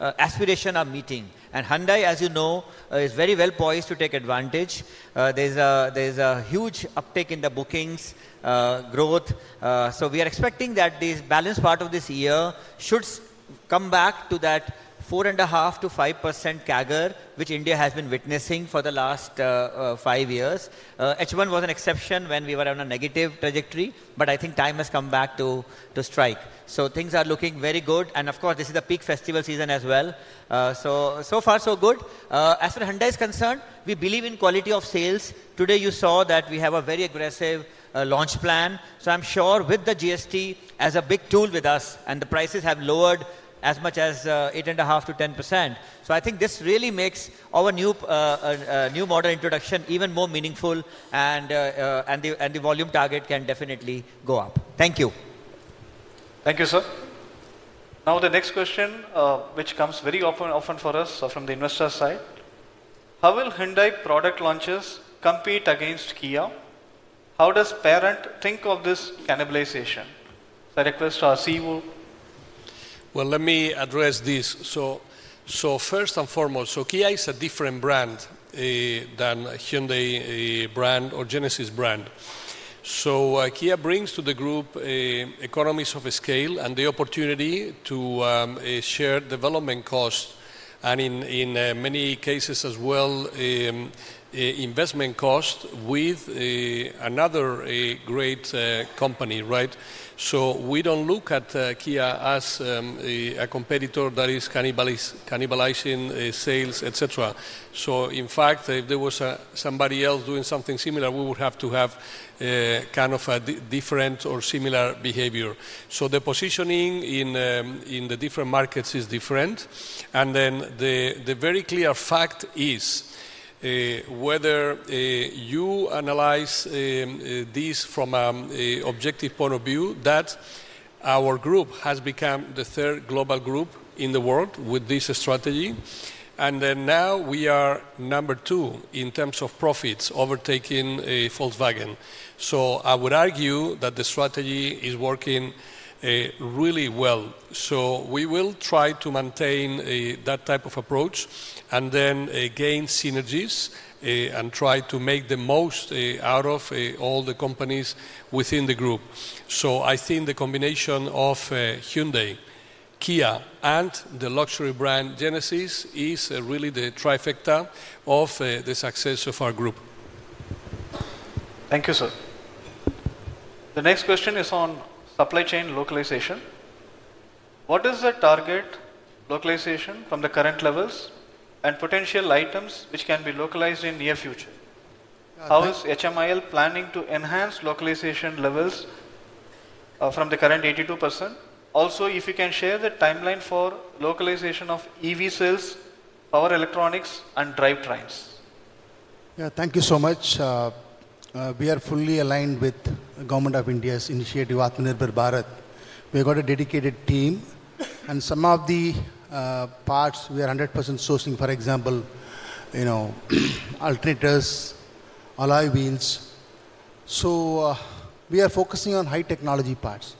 aspiration are meeting. Hyundai, as you know, is very well poised to take advantage. There is a huge uptake in the bookings growth. We are expecting that this balanced part of this year should come back to that 4.5%-5% CAGR, which India has been witnessing for the last five years. H1 was an exception when we were on a negative trajectory, but I think time has come back to strike. Things are looking very good. Of course, this is the peak festival season as well. So far, so good. As for Hyundai's concern, we believe in quality of sales. Today, you saw that we have a very aggressive launch plan. I'm sure with the GST as a big tool with us, and the prices have lowered as much as 8.5%-10%. I think this really makes our new model introduction even more meaningful, and the volume target can definitely go up. Thank you. Thank you, sir. Now the next question, which comes very often for us from the investor side. How will Hyundai product launches compete against Kia? How does Parent think of this cannibalization? I request our CEO. Let me address this. First and foremost, Kia is a different brand than Hyundai brand or Genesis brand. Kia brings to the group economies of scale and the opportunity to share development costs and in many cases as well, investment costs with another great company, right? We don't look at Kia as a competitor that is cannibalizing sales, etc. In fact, if there was somebody else doing something similar, we would have to have kind of a different or similar behavior. The positioning in the different markets is different. The very clear fact is whether you analyze this from an objective point of view that our group has become the third global group in the world with this strategy. Now we are number two in terms of profits overtaking Volkswagen. I would argue that the strategy is working really well. We will try to maintain that type of approach and then gain synergies and try to make the most out of all the companies within the group. I think the combination of Hyundai, Kia, and the luxury brand Genesis is really the trifecta of the success of our group. Thank you, sir. The next question is on supply chain localization. What is the target localization from the current levels and potential items which can be localized in the near future? How is HMIL planning to enhance localization levels from the current 82%? Also, if you can share the timeline for localization of EV sales, power electronics, and drive trains. Yeah, thank you so much. We are fully aligned with the government of India's initiative, Atmanirbhar Bharat. We've got a dedicated team, and some of the parts we are 100% sourcing, for example, you know, alternators, alloy wheels. We are focusing on high technology parts.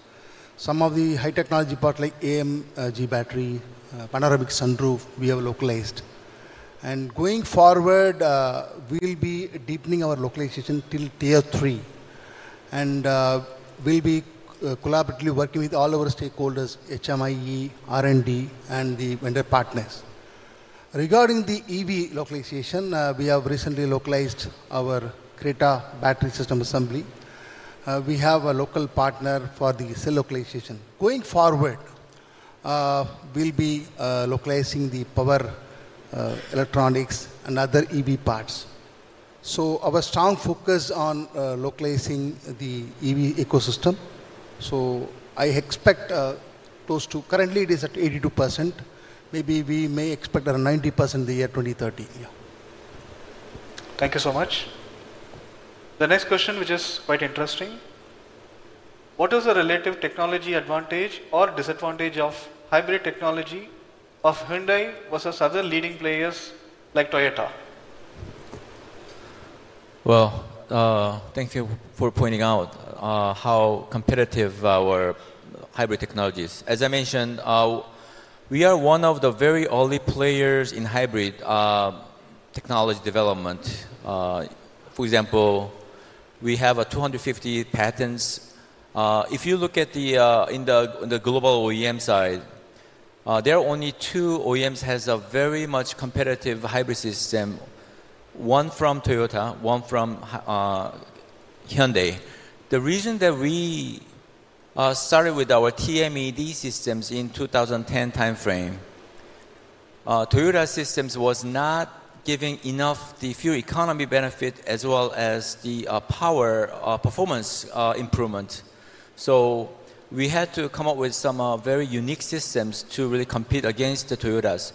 Some of the high technology parts like AGM battery, panoramic sunroof, we have localized. Going forward, we'll be deepening our localization till tier III. We'll be collaboratively working with all of our stakeholders, HMIL, R&D, and the vendor partners. Regarding the EV localization, we have recently localized our Creta battery system assembly. We have a local partner for the cell localization. Going forward, we'll be localizing the power electronics and other EV parts. Our strong focus is on localizing the EV ecosystem. I expect close to, currently it is at 82%. Maybe we may expect around 90% in the year 2030. Thank you so much. The next question, which is quite interesting. What is the relative technology advantage or disadvantage of hybrid technology of Hyundai versus other leading players like Toyota? Thank you for pointing out how competitive our hybrid technology is. As I mentioned, we are one of the very early players in hybrid technology development. For example, we have 250 patents. If you look at the global OEM side, there are only two OEMs that have a very much competitive hybrid system, one from Toyota, one from Hyundai. The reason that we started with our TMED systems in the 2010 timeframe, Toyota systems was not giving enough the fuel economy benefit as well as the power performance improvement. We had to come up with some very unique systems to really compete against the Toyotas.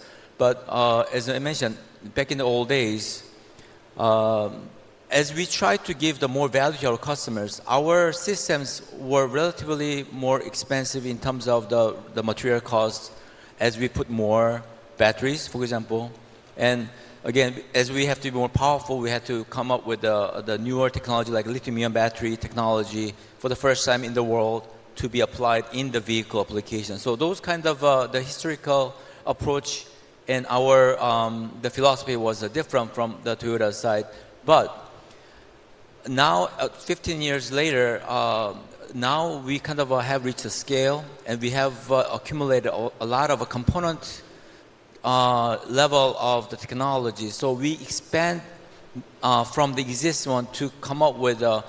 As I mentioned, back in the old days, as we tried to give more value to our customers, our systems were relatively more expensive in terms of the material cost as we put more batteries, for example. Again, as we have to be more powerful, we had to come up with the newer technology like lithium-ion battery technology for the first time in the world to be applied in the vehicle application. Those kinds of the historical approach and our philosophy was different from the Toyota side. Now, 15 years later, we kind of have reached a scale and we have accumulated a lot of component level of the technology. We expand from the existing one to come up with a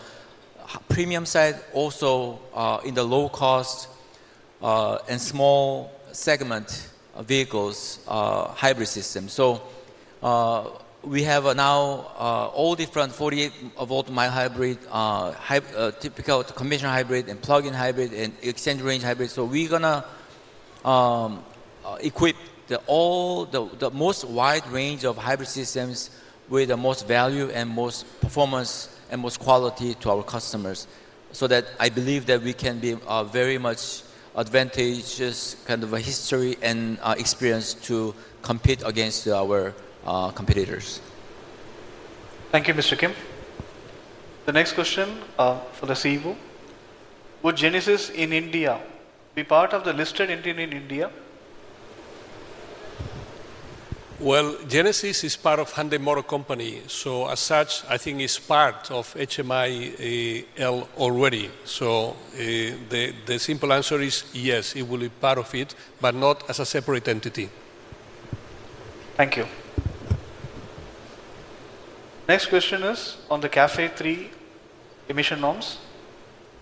premium size, also in the low cost and small segment vehicles hybrid system. We have now all different 48-volt mild hybrid, typical commission hybrid, and plug-in hybrid, and exchange range hybrid. We are going to equip all the most wide range of hybrid systems with the most value and most performance and most quality to our customers. I believe that we can be very much advantageous kind of a history and experience to compete against our competitors. Thank you, Mr. Kim. The next question for the CEO. Would Genesis in India be part of the listed entity in India? Genesis is part of Hyundai Motor Company. As such, I think it's part of HMI already. The simple answer is yes, it will be part of it, but not as a separate entity. Thank you. Next question is on the CAFE 3 emission norms.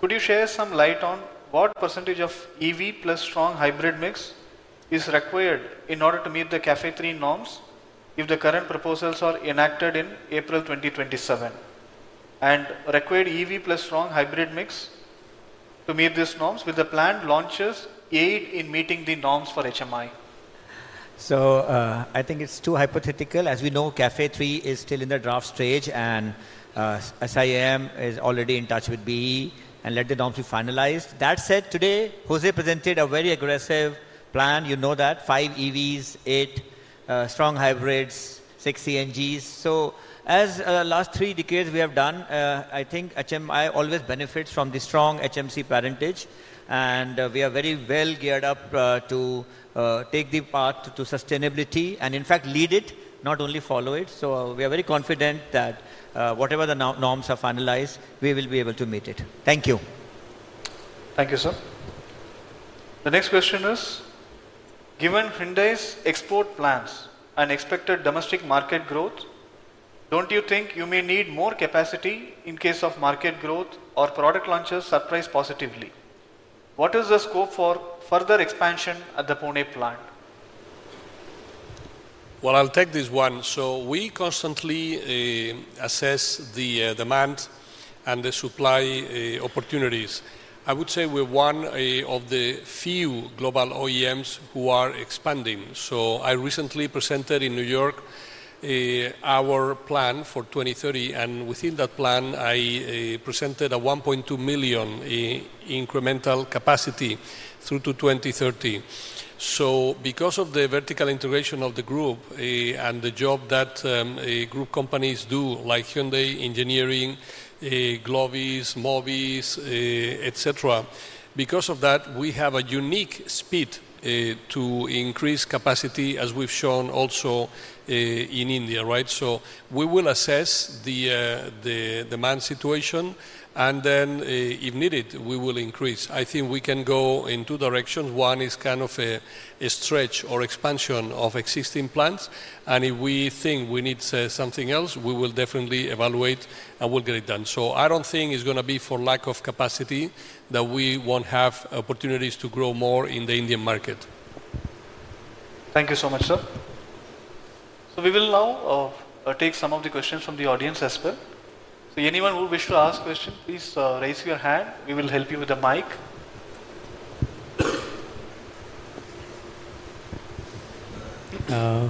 Could you share some light on what percentage of EV plus strong hybrid mix is required in order to meet the CAFE 3 norms if the current proposals are enacted in April 2027? Required EV plus strong hybrid mix to meet these norms with the planned launches aid in meeting the norms for Hyundai Motor India. I think it's too hypothetical. As we know, CAFE 3 is still in the draft stage and HMIL is already in touch with the BE and will let the norms be finalized. That said, today Jose presented a very aggressive plan. You know that 5 EVs, 8 strong hybrids, 6 CNGs. As the last three decades we have done, I think HMIL always benefits from the strong Hyundai Motor Company parentage. We are very well geared up to take the path to sustainability and in fact lead it, not only follow it. We are very confident that whatever the norms are finalized, we will be able to meet it. Thank you. Thank you, sir. The next question is, given Hyundai's export plans and expected domestic market growth, don't you think you may need more capacity in case of market growth or product launches surprise positively? What is the scope for further expansion at the Pune plant? I'll take this one. We constantly assess the demand and the supply opportunities. I would say we're one of the few global OEMs who are expanding. I recently presented in New York our plan for 2030. Within that plan, I presented a 1.2 million incremental capacity through to 2030. Because of the vertical integration of the group and the job that group companies do, like Hyundai, Engineering, Globis, Mobis, etc., we have a unique speed to increase capacity as we've shown also in India, right? We will assess the demand situation and then if needed, we will increase. I think we can go in two directions. One is kind of a stretch or expansion of existing plants. If we think we need something else, we will definitely evaluate and we'll get it done. I don't think it's going to be for lack of capacity that we won't have opportunities to grow more in the Indian market. Thank you so much, sir. We will now take some of the questions from the audience as well. Anyone who wishes to ask a question, please raise your hand. We will help you with the mic.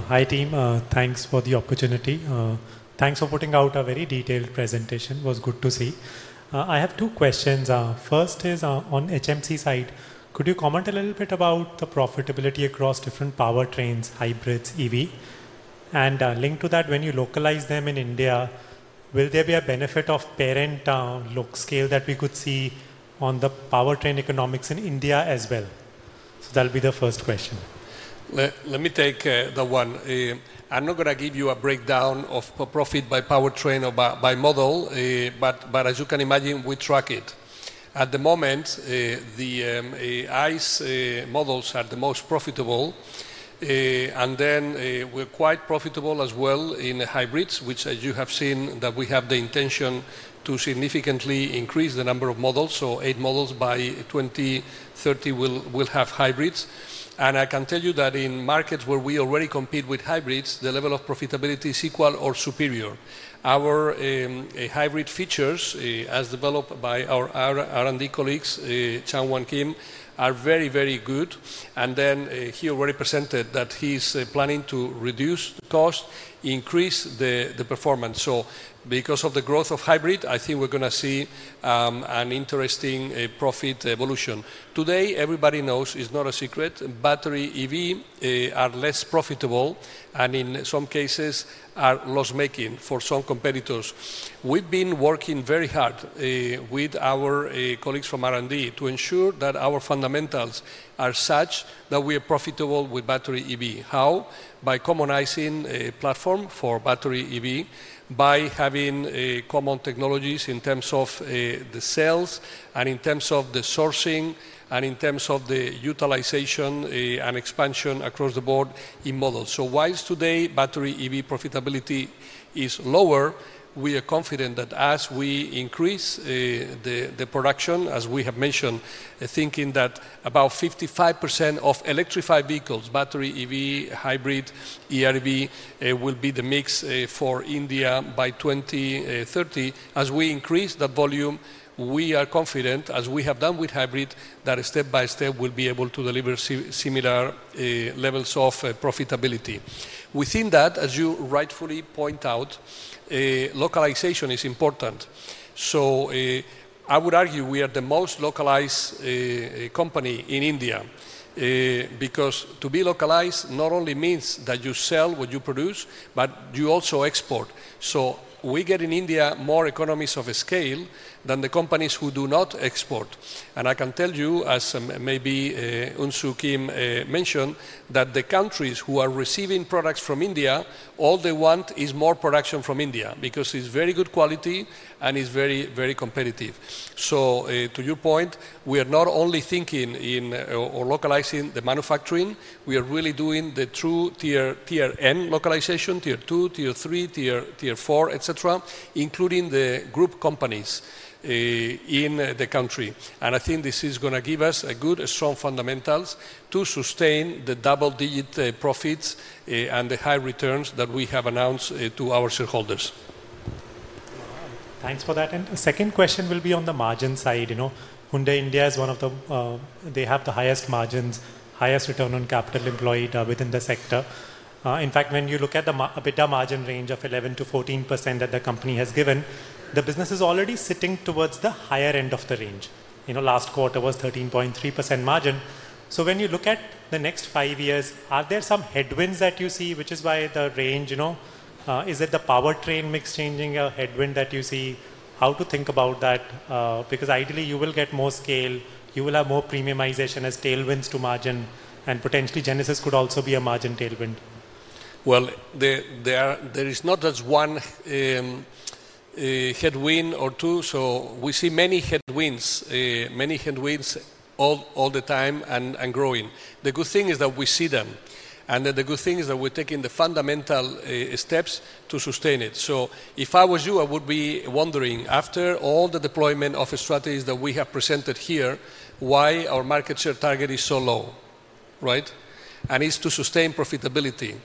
Hi team, thanks for the opportunity. Thanks for putting out a very detailed presentation. It was good to see. I have two questions. First is on HMC side, could you comment a little bit about the profitability across different powertrains, hybrids, EV? Linked to that, when you localize them in India, will there be a benefit of parent look scale that we could see on the powertrain economics in India as well? That'll be the first question. Let me take that one. I'm not going to give you a breakdown of profit by powertrain or by model, but as you can imagine, we track it. At the moment, the ICE models are the most profitable. We're quite profitable as well in hybrids, which as you have seen, we have the intention to significantly increase the number of models. Eight models by 2030 will have hybrids. I can tell you that in markets where we already compete with hybrids, the level of profitability is equal or superior. Our hybrid features as developed by our R&D colleagues, Jang Hwan Kim, are very, very good. He already presented that he's planning to reduce the cost, increase the performance. Because of the growth of hybrid, I think we're going to see an interesting profit evolution. Today, everybody knows, it's not a secret, battery EVs are less profitable and in some cases are loss-making for some competitors. We've been working very hard with our colleagues from R&D to ensure that our fundamentals are such that we are profitable with battery EV. How? By commonizing a platform for battery EV, by having common technologies in terms of the sales and in terms of the sourcing and in terms of the utilization and expansion across the board in models. Whilst today battery EV profitability is lower, we are confident that as we increase the production, as we have mentioned, thinking that about 55% of electrified vehicles, battery EV, hybrid, ERV will be the mix for India by 2030. As we increase that volume, we are confident, as we have done with hybrid, that step by step we'll be able to deliver similar levels of profitability. Within that, as you rightfully point out, localization is important. I would argue we are the most localized company in India because to be localized not only means that you sell what you produce, but you also export. We get in India more economies of scale than the companies who do not export. I can tell you, as maybe Unsoo Kim mentioned, that the countries who are receiving products from India, all they want is more production from India because it's very good quality and it's very, very competitive. To your point, we are not only thinking in or localizing the manufacturing, we are really doing the true tier M localization, tier 2, tier 3, tier 4, etc., including the group companies in the country. I think this is going to give us a good, strong fundamentals to sustain the double-digit profits and the high returns that we have announced to our shareholders. Thanks for that. The second question will be on the margin side. You know, Hyundai India is one of the, they have the highest margins, highest return on capital employed within the sector. In fact, when you look at the margin range of 11%-14% that the company has given, the business is already sitting towards the higher end of the range. Last quarter was 13.3% margin. When you look at the next five years, are there some headwinds that you see, which is why the range, you know, is it the powertrain mix changing a headwind that you see? How to think about that because ideally you will get more scale, you will have more premiumization as tailwinds to margin, and potentially Genesis could also be a margin tailwind. There is not just one headwind or two. We see many headwinds, many headwinds all the time and growing. The good thing is that we see them, and the good thing is that we're taking the fundamental steps to sustain it. If I was you, I would be wondering after all the deployment of strategies that we have presented here, why our market share target is so low, right? It's to sustain profitability.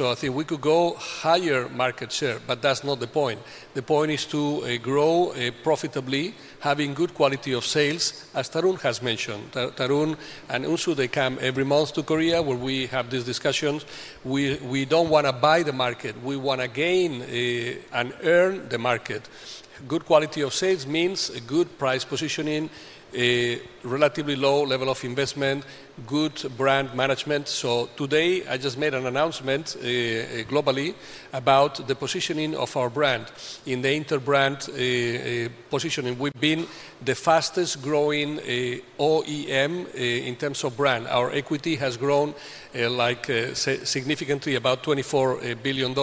I think we could go higher market share, but that's not the point. The point is to grow profitably, having good quality of sales, as Tarun has mentioned. Tarun and Unsoo, they come every month to Korea where we have these discussions. We don't want to buy the market. We want to gain and earn the market. Good quality of sales means good price positioning, a relatively low level of investment, good brand management. Today I just made an announcement globally about the positioning of our brand in the inter-brand positioning. We've been the fastest growing OEM in terms of brand. Our brand equity has grown significantly, about INR 24 billion.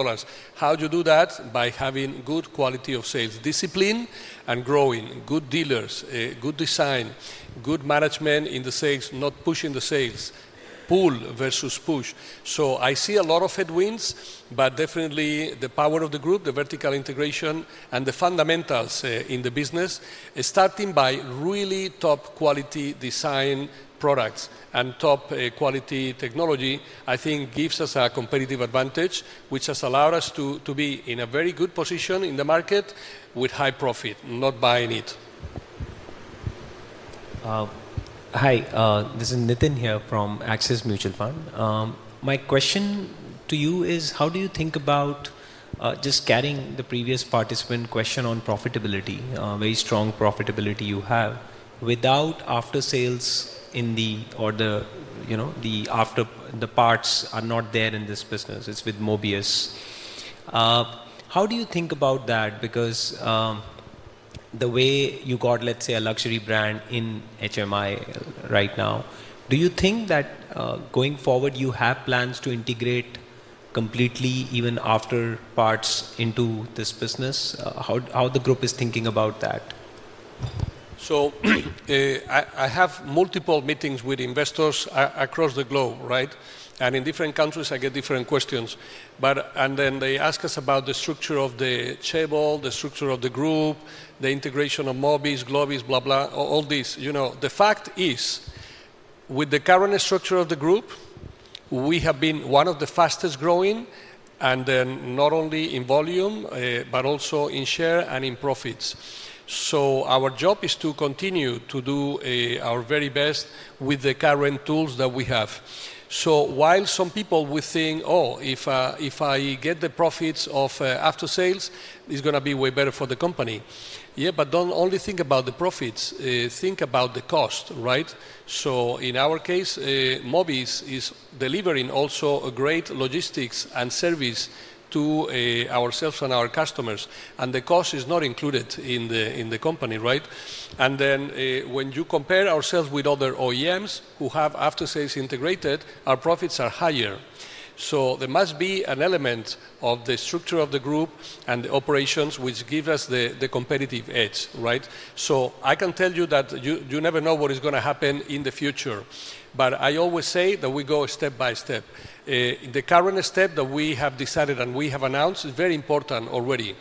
How do you do that? By having good quality of sales, discipline, and growing, good dealers, good design, good management in the sales, not pushing the sales, pull versus push. I see a lot of headwinds, but definitely the power of the group, the vertical integration, and the fundamentals in the business, starting by really top quality design products and top quality technology, I think gives us a competitive advantage, which has allowed us to be in a very good position in the market with high profit, not buying it. Hi, this is Nitin here from Axis Mutual Fund. My question to you is, how do you think about just getting the previous participant question on profitability, very strong profitability you have without after sales in the, or the, you know, the after the parts are not there in this business. It's with Mobius. How do you think about that? Because the way you got, let's say, a luxury brand in HMIL right now, do you think that going forward you have plans to integrate completely even after parts into this business? How the group is thinking about that? I have multiple meetings with investors across the globe, right? In different countries, I get different questions. They ask us about the structure of the chairball, the structure of the group, the integration of Mobius, Globis, blah, blah, all these. The fact is with the current structure of the group, we have been one of the fastest growing, not only in volume, but also in share and in profits. Our job is to continue to do our very best with the current tools that we have. While some people will think, oh, if I get the profits of after sales, it's going to be way better for the company. Yeah, but don't only think about the profits, think about the cost, right? In our case, Mobius is delivering also a great logistics and service to ourselves and our customers. The cost is not included in the company, right? When you compare ourselves with other OEMs who have after sales integrated, our profits are higher. There must be an element of the structure of the group and the operations which give us the competitive edge, right? I can tell you that you never know what is going to happen in the future. I always say that we go step by step. The current step that we have decided and we have announced is very important already,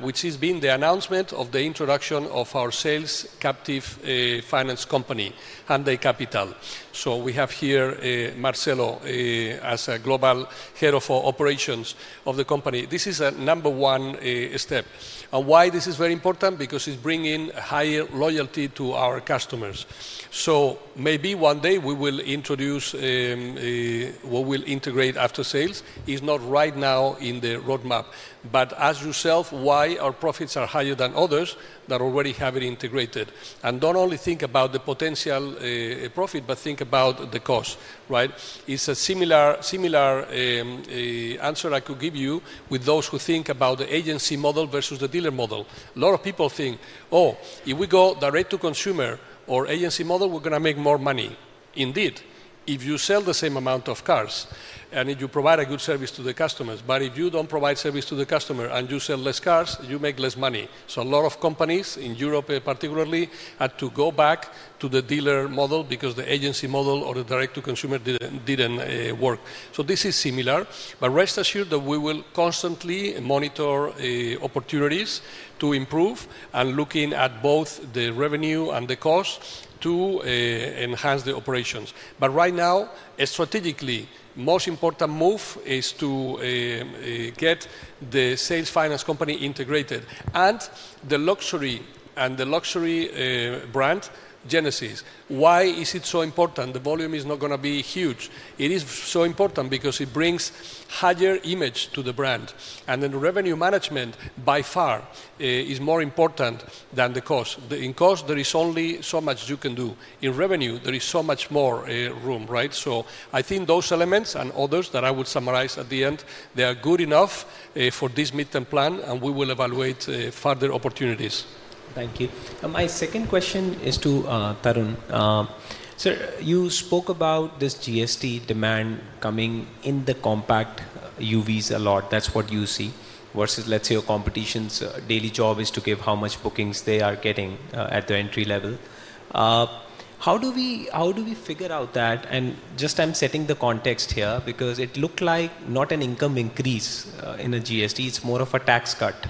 which has been the announcement of the introduction of our sales captive finance company, Hyundai Capital. We have here Marcelo as a Global Head of Operations of the company. This is a number one step. Why is this very important? Because it's bringing higher loyalty to our customers. Maybe one day we will introduce or we'll integrate after sales. It's not right now in the roadmap. Ask yourself why our profits are higher than others that already have it integrated. Don't only think about the potential profit, but think about the cost, right? It's a similar answer I could give you with those who think about the agency model versus the dealer model. A lot of people think, oh, if we go direct to consumer or agency model, we're going to make more money. Indeed, if you sell the same amount of cars, and if you provide a good service to the customers. If you don't provide service to the customer and you sell less cars, you make less money. A lot of companies in Europe, particularly, had to go back to the dealer model because the agency model or the direct to consumer didn't work. This is similar. Rest assured that we will constantly monitor opportunities to improve and looking at both the revenue and the cost to enhance the operations. Right now, strategically, the most important move is to get the sales finance company integrated and the luxury brand Genesis. Why is it so important? The volume is not going to be huge. It is so important because it brings a higher image to the brand. Then the revenue management by far is more important than the cost. In cost, there is only so much you can do. In revenue, there is so much more room, right? I think those elements and others that I would summarize at the end, they are good enough for this mid-term plan, and we will evaluate further opportunities. Thank you. My second question is to Tarun. Sir, you spoke about this GST demand coming in the compact EVs a lot. That's what you see versus, let's say, your competition's daily job is to give how much bookings they are getting at the entry level. How do we figure out that? I'm setting the context here because it looked like not an income increase in a GST. It's more of a tax cut.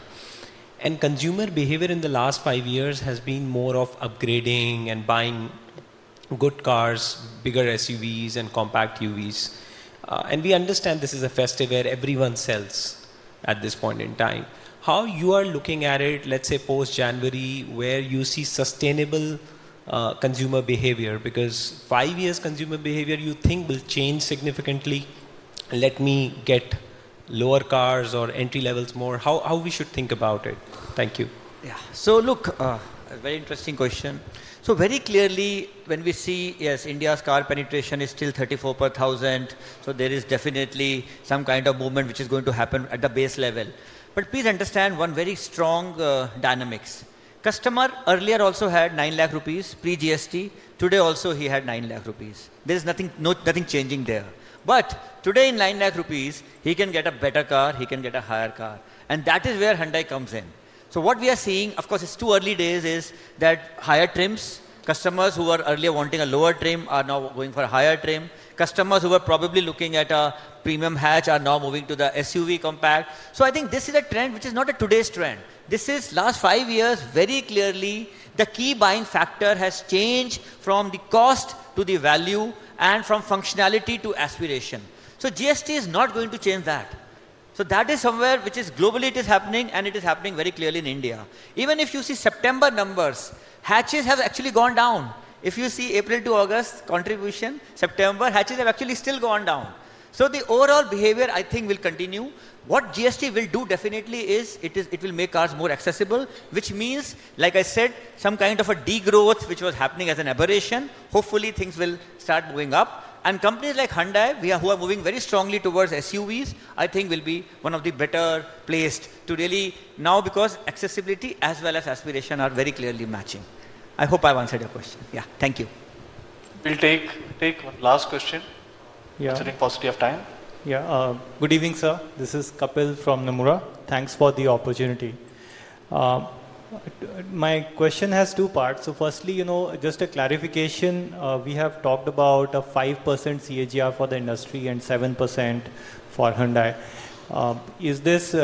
Consumer behavior in the last five years has been more of upgrading and buying good cars, bigger SUVs, and compact EVs. We understand this is a festive where everyone sells at this point in time. How you are looking at it, let's say post-January, where you see sustainable consumer behavior because five years consumer behavior you think will change significantly. Let me get lower cars or entry levels more. How we should think about it. Thank you. Yeah, so look, a very interesting question. Very clearly when we see, yes, India's car penetration is still 34 per thousand. There is definitely some kind of movement which is going to happen at the base level. Please understand one very strong dynamics. Customer earlier also had 900,000 rupees pre-GST. Today also he had 900,000 rupees. There is nothing changing there. Today in 900,000 rupees, he can get a better car. He can get a higher car. That is where Hyundai comes in. What we are seeing, of course, is two early days is that higher trims, customers who were earlier wanting a lower trim are now going for a higher trim. Customers who were probably looking at a premium hatch are now moving to the SUV compact. I think this is a trend which is not a today's trend. This is last five years, very clearly, the key buying factor has changed from the cost to the value and from functionality to aspiration. GST is not going to change that. That is somewhere which is globally happening, and it is happening very clearly in India. Even if you see September numbers, hatches have actually gone down. If you see April to August contribution, September hatches have actually still gone down. The overall behavior I think will continue. What GST will do definitely is it will make cars more accessible, which means, like I said, some kind of a degrowth which was happening as an aberration. Hopefully, things will start moving up. Companies like Hyundai, who are moving very strongly towards SUVs, I think will be one of the better placed to really now because accessibility as well as aspiration are very clearly matching. I hope I've answered your question. Yeah, thank you. We'll take one last question, considering the positivity of time. Yeah, good evening, sir. This is Kapil from Nomura. Thanks for the opportunity. My question has two parts. Firstly, just a clarification. We have talked about a 5% CAGR for the industry and 7% for Hyundai. Is this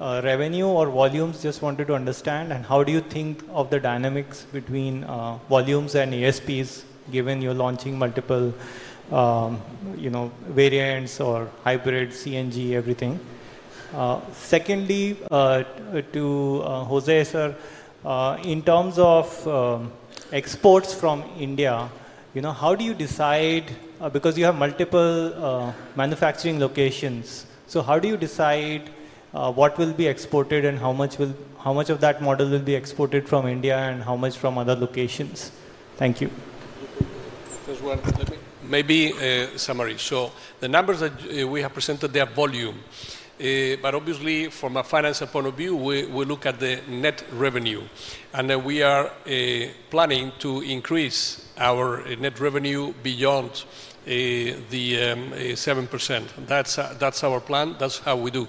revenue or volumes? Just wanted to understand. How do you think of the dynamics between volumes and ASPs given you're launching multiple variants or hybrids, CNG, everything? Secondly, to José, sir, in terms of exports from India, how do you decide because you have multiple manufacturing locations? How do you decide what will be exported and how much of that model will be exported from India and how much from other locations? Thank you. First one, maybe a summary. The numbers that we have presented, they are volume. Obviously, from a finance point of view, we look at the net revenue. We are planning to increase our net revenue beyond the 7%. That's our plan. That's how we do.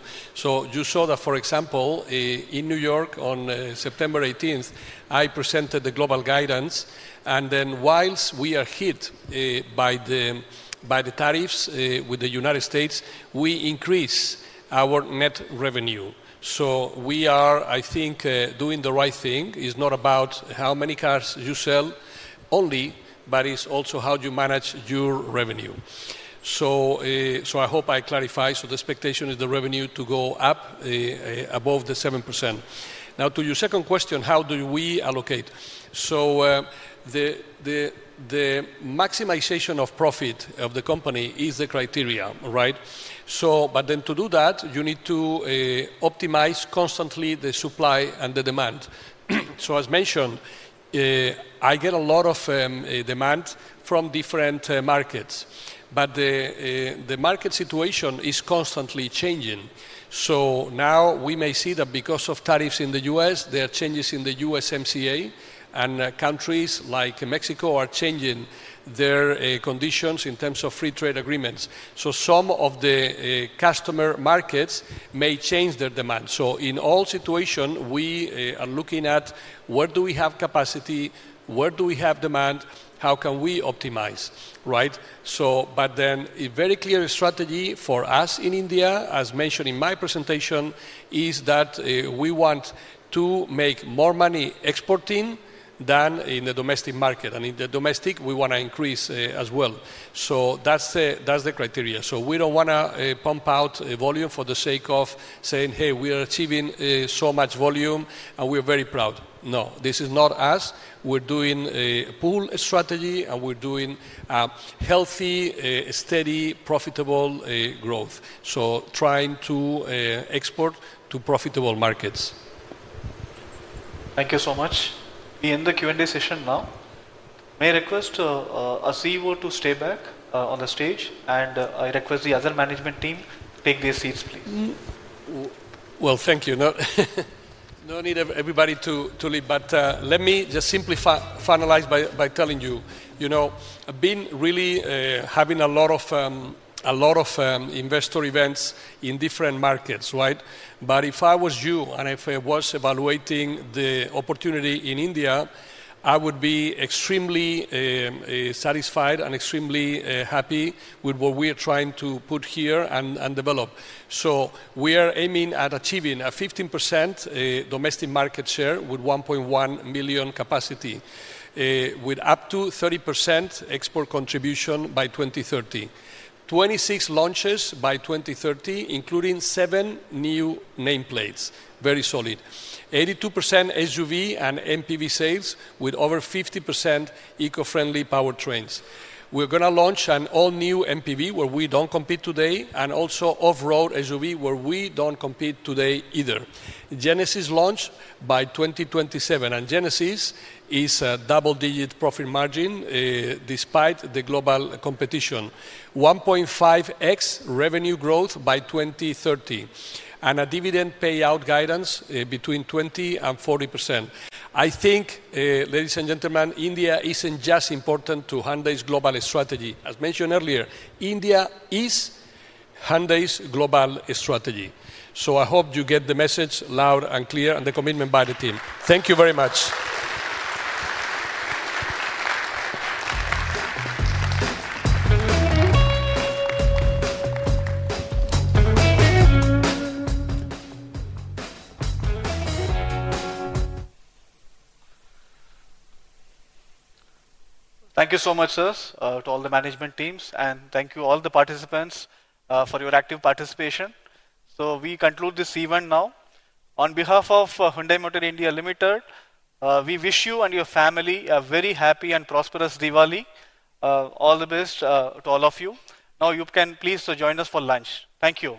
You saw that, for example, in New York on September 18th, I presented the global guidance. Whilst we are hit by the tariffs with the U.S., we increase our net revenue. We are, I think, doing the right thing. It's not about how many cars you sell only, it's also how you manage your revenue. I hope I clarify. The expectation is the revenue to go up above the 7%. Now, to your second question, how do we allocate? The maximization of profit of the company is the criteria, right? To do that, you need to optimize constantly the supply and the demand. As mentioned, I get a lot of demand from different markets. The market situation is constantly changing. Now we may see that because of tariffs in the U.S., there are changes in the USMCA. Countries like Mexico are changing their conditions in terms of free trade agreements. Some of the customer markets may change their demand. In all situations, we are looking at what do we. Capacity, Where do we have demand, how can we optimize, right? A very clear strategy for us in India, as mentioned in my presentation, is that we want to make more money exporting than in the domestic market. In the domestic, we want to increase as well. That's the criteria. We don't want to pump out volume for the sake of saying, "Hey, we are achieving so much volume and we are very proud." No, this is not us. We're doing a pull strategy and we're doing a healthy, steady, profitable growth, trying to export to profitable markets. Thank you so much. We end the Q&A session now. May I request the CEO to stay back on the stage, and I request the other management team to take their seats, please. Thank you. No need for everybody to leave. Let me just simply finalize by telling you, you know, I've been really having a lot of investor events in different markets, right? If I was you and if I was evaluating the opportunity in India, I would be extremely satisfied and extremely happy with what we are trying to put here and develop. We are aiming at achieving a 15% domestic market share with 1.1 million capacity, with up to 30% export contribution by 2030. There will be 26 launches by 2030, including seven new nameplates. Very solid. 82% SUV and MPV sales with over 50% eco-friendly powertrains. We are going to launch an all-new MPV where we don't compete today and also an off-road SUV where we don't compete today either. Genesis launch by 2027. Genesis is a double-digit profit margin despite the global competition. 1.5x revenue growth by 2030 and a dividend payout guidance between 20% and 40%. I think, ladies and gentlemen, India isn't just important to Hyundai's global strategy. As mentioned earlier, India is Hyundai's global strategy. I hope you get the message loud and clear and the commitment by the team. Thank you very much. Thank you so much, sir, to all the management teams. Thank you to all the participants for your active participation. We conclude this event now. On behalf of Hyundai Motor India Limited, we wish you and your family a very happy and prosperous Diwali. All the best to all of you. Now you can please join us for lunch. Thank you.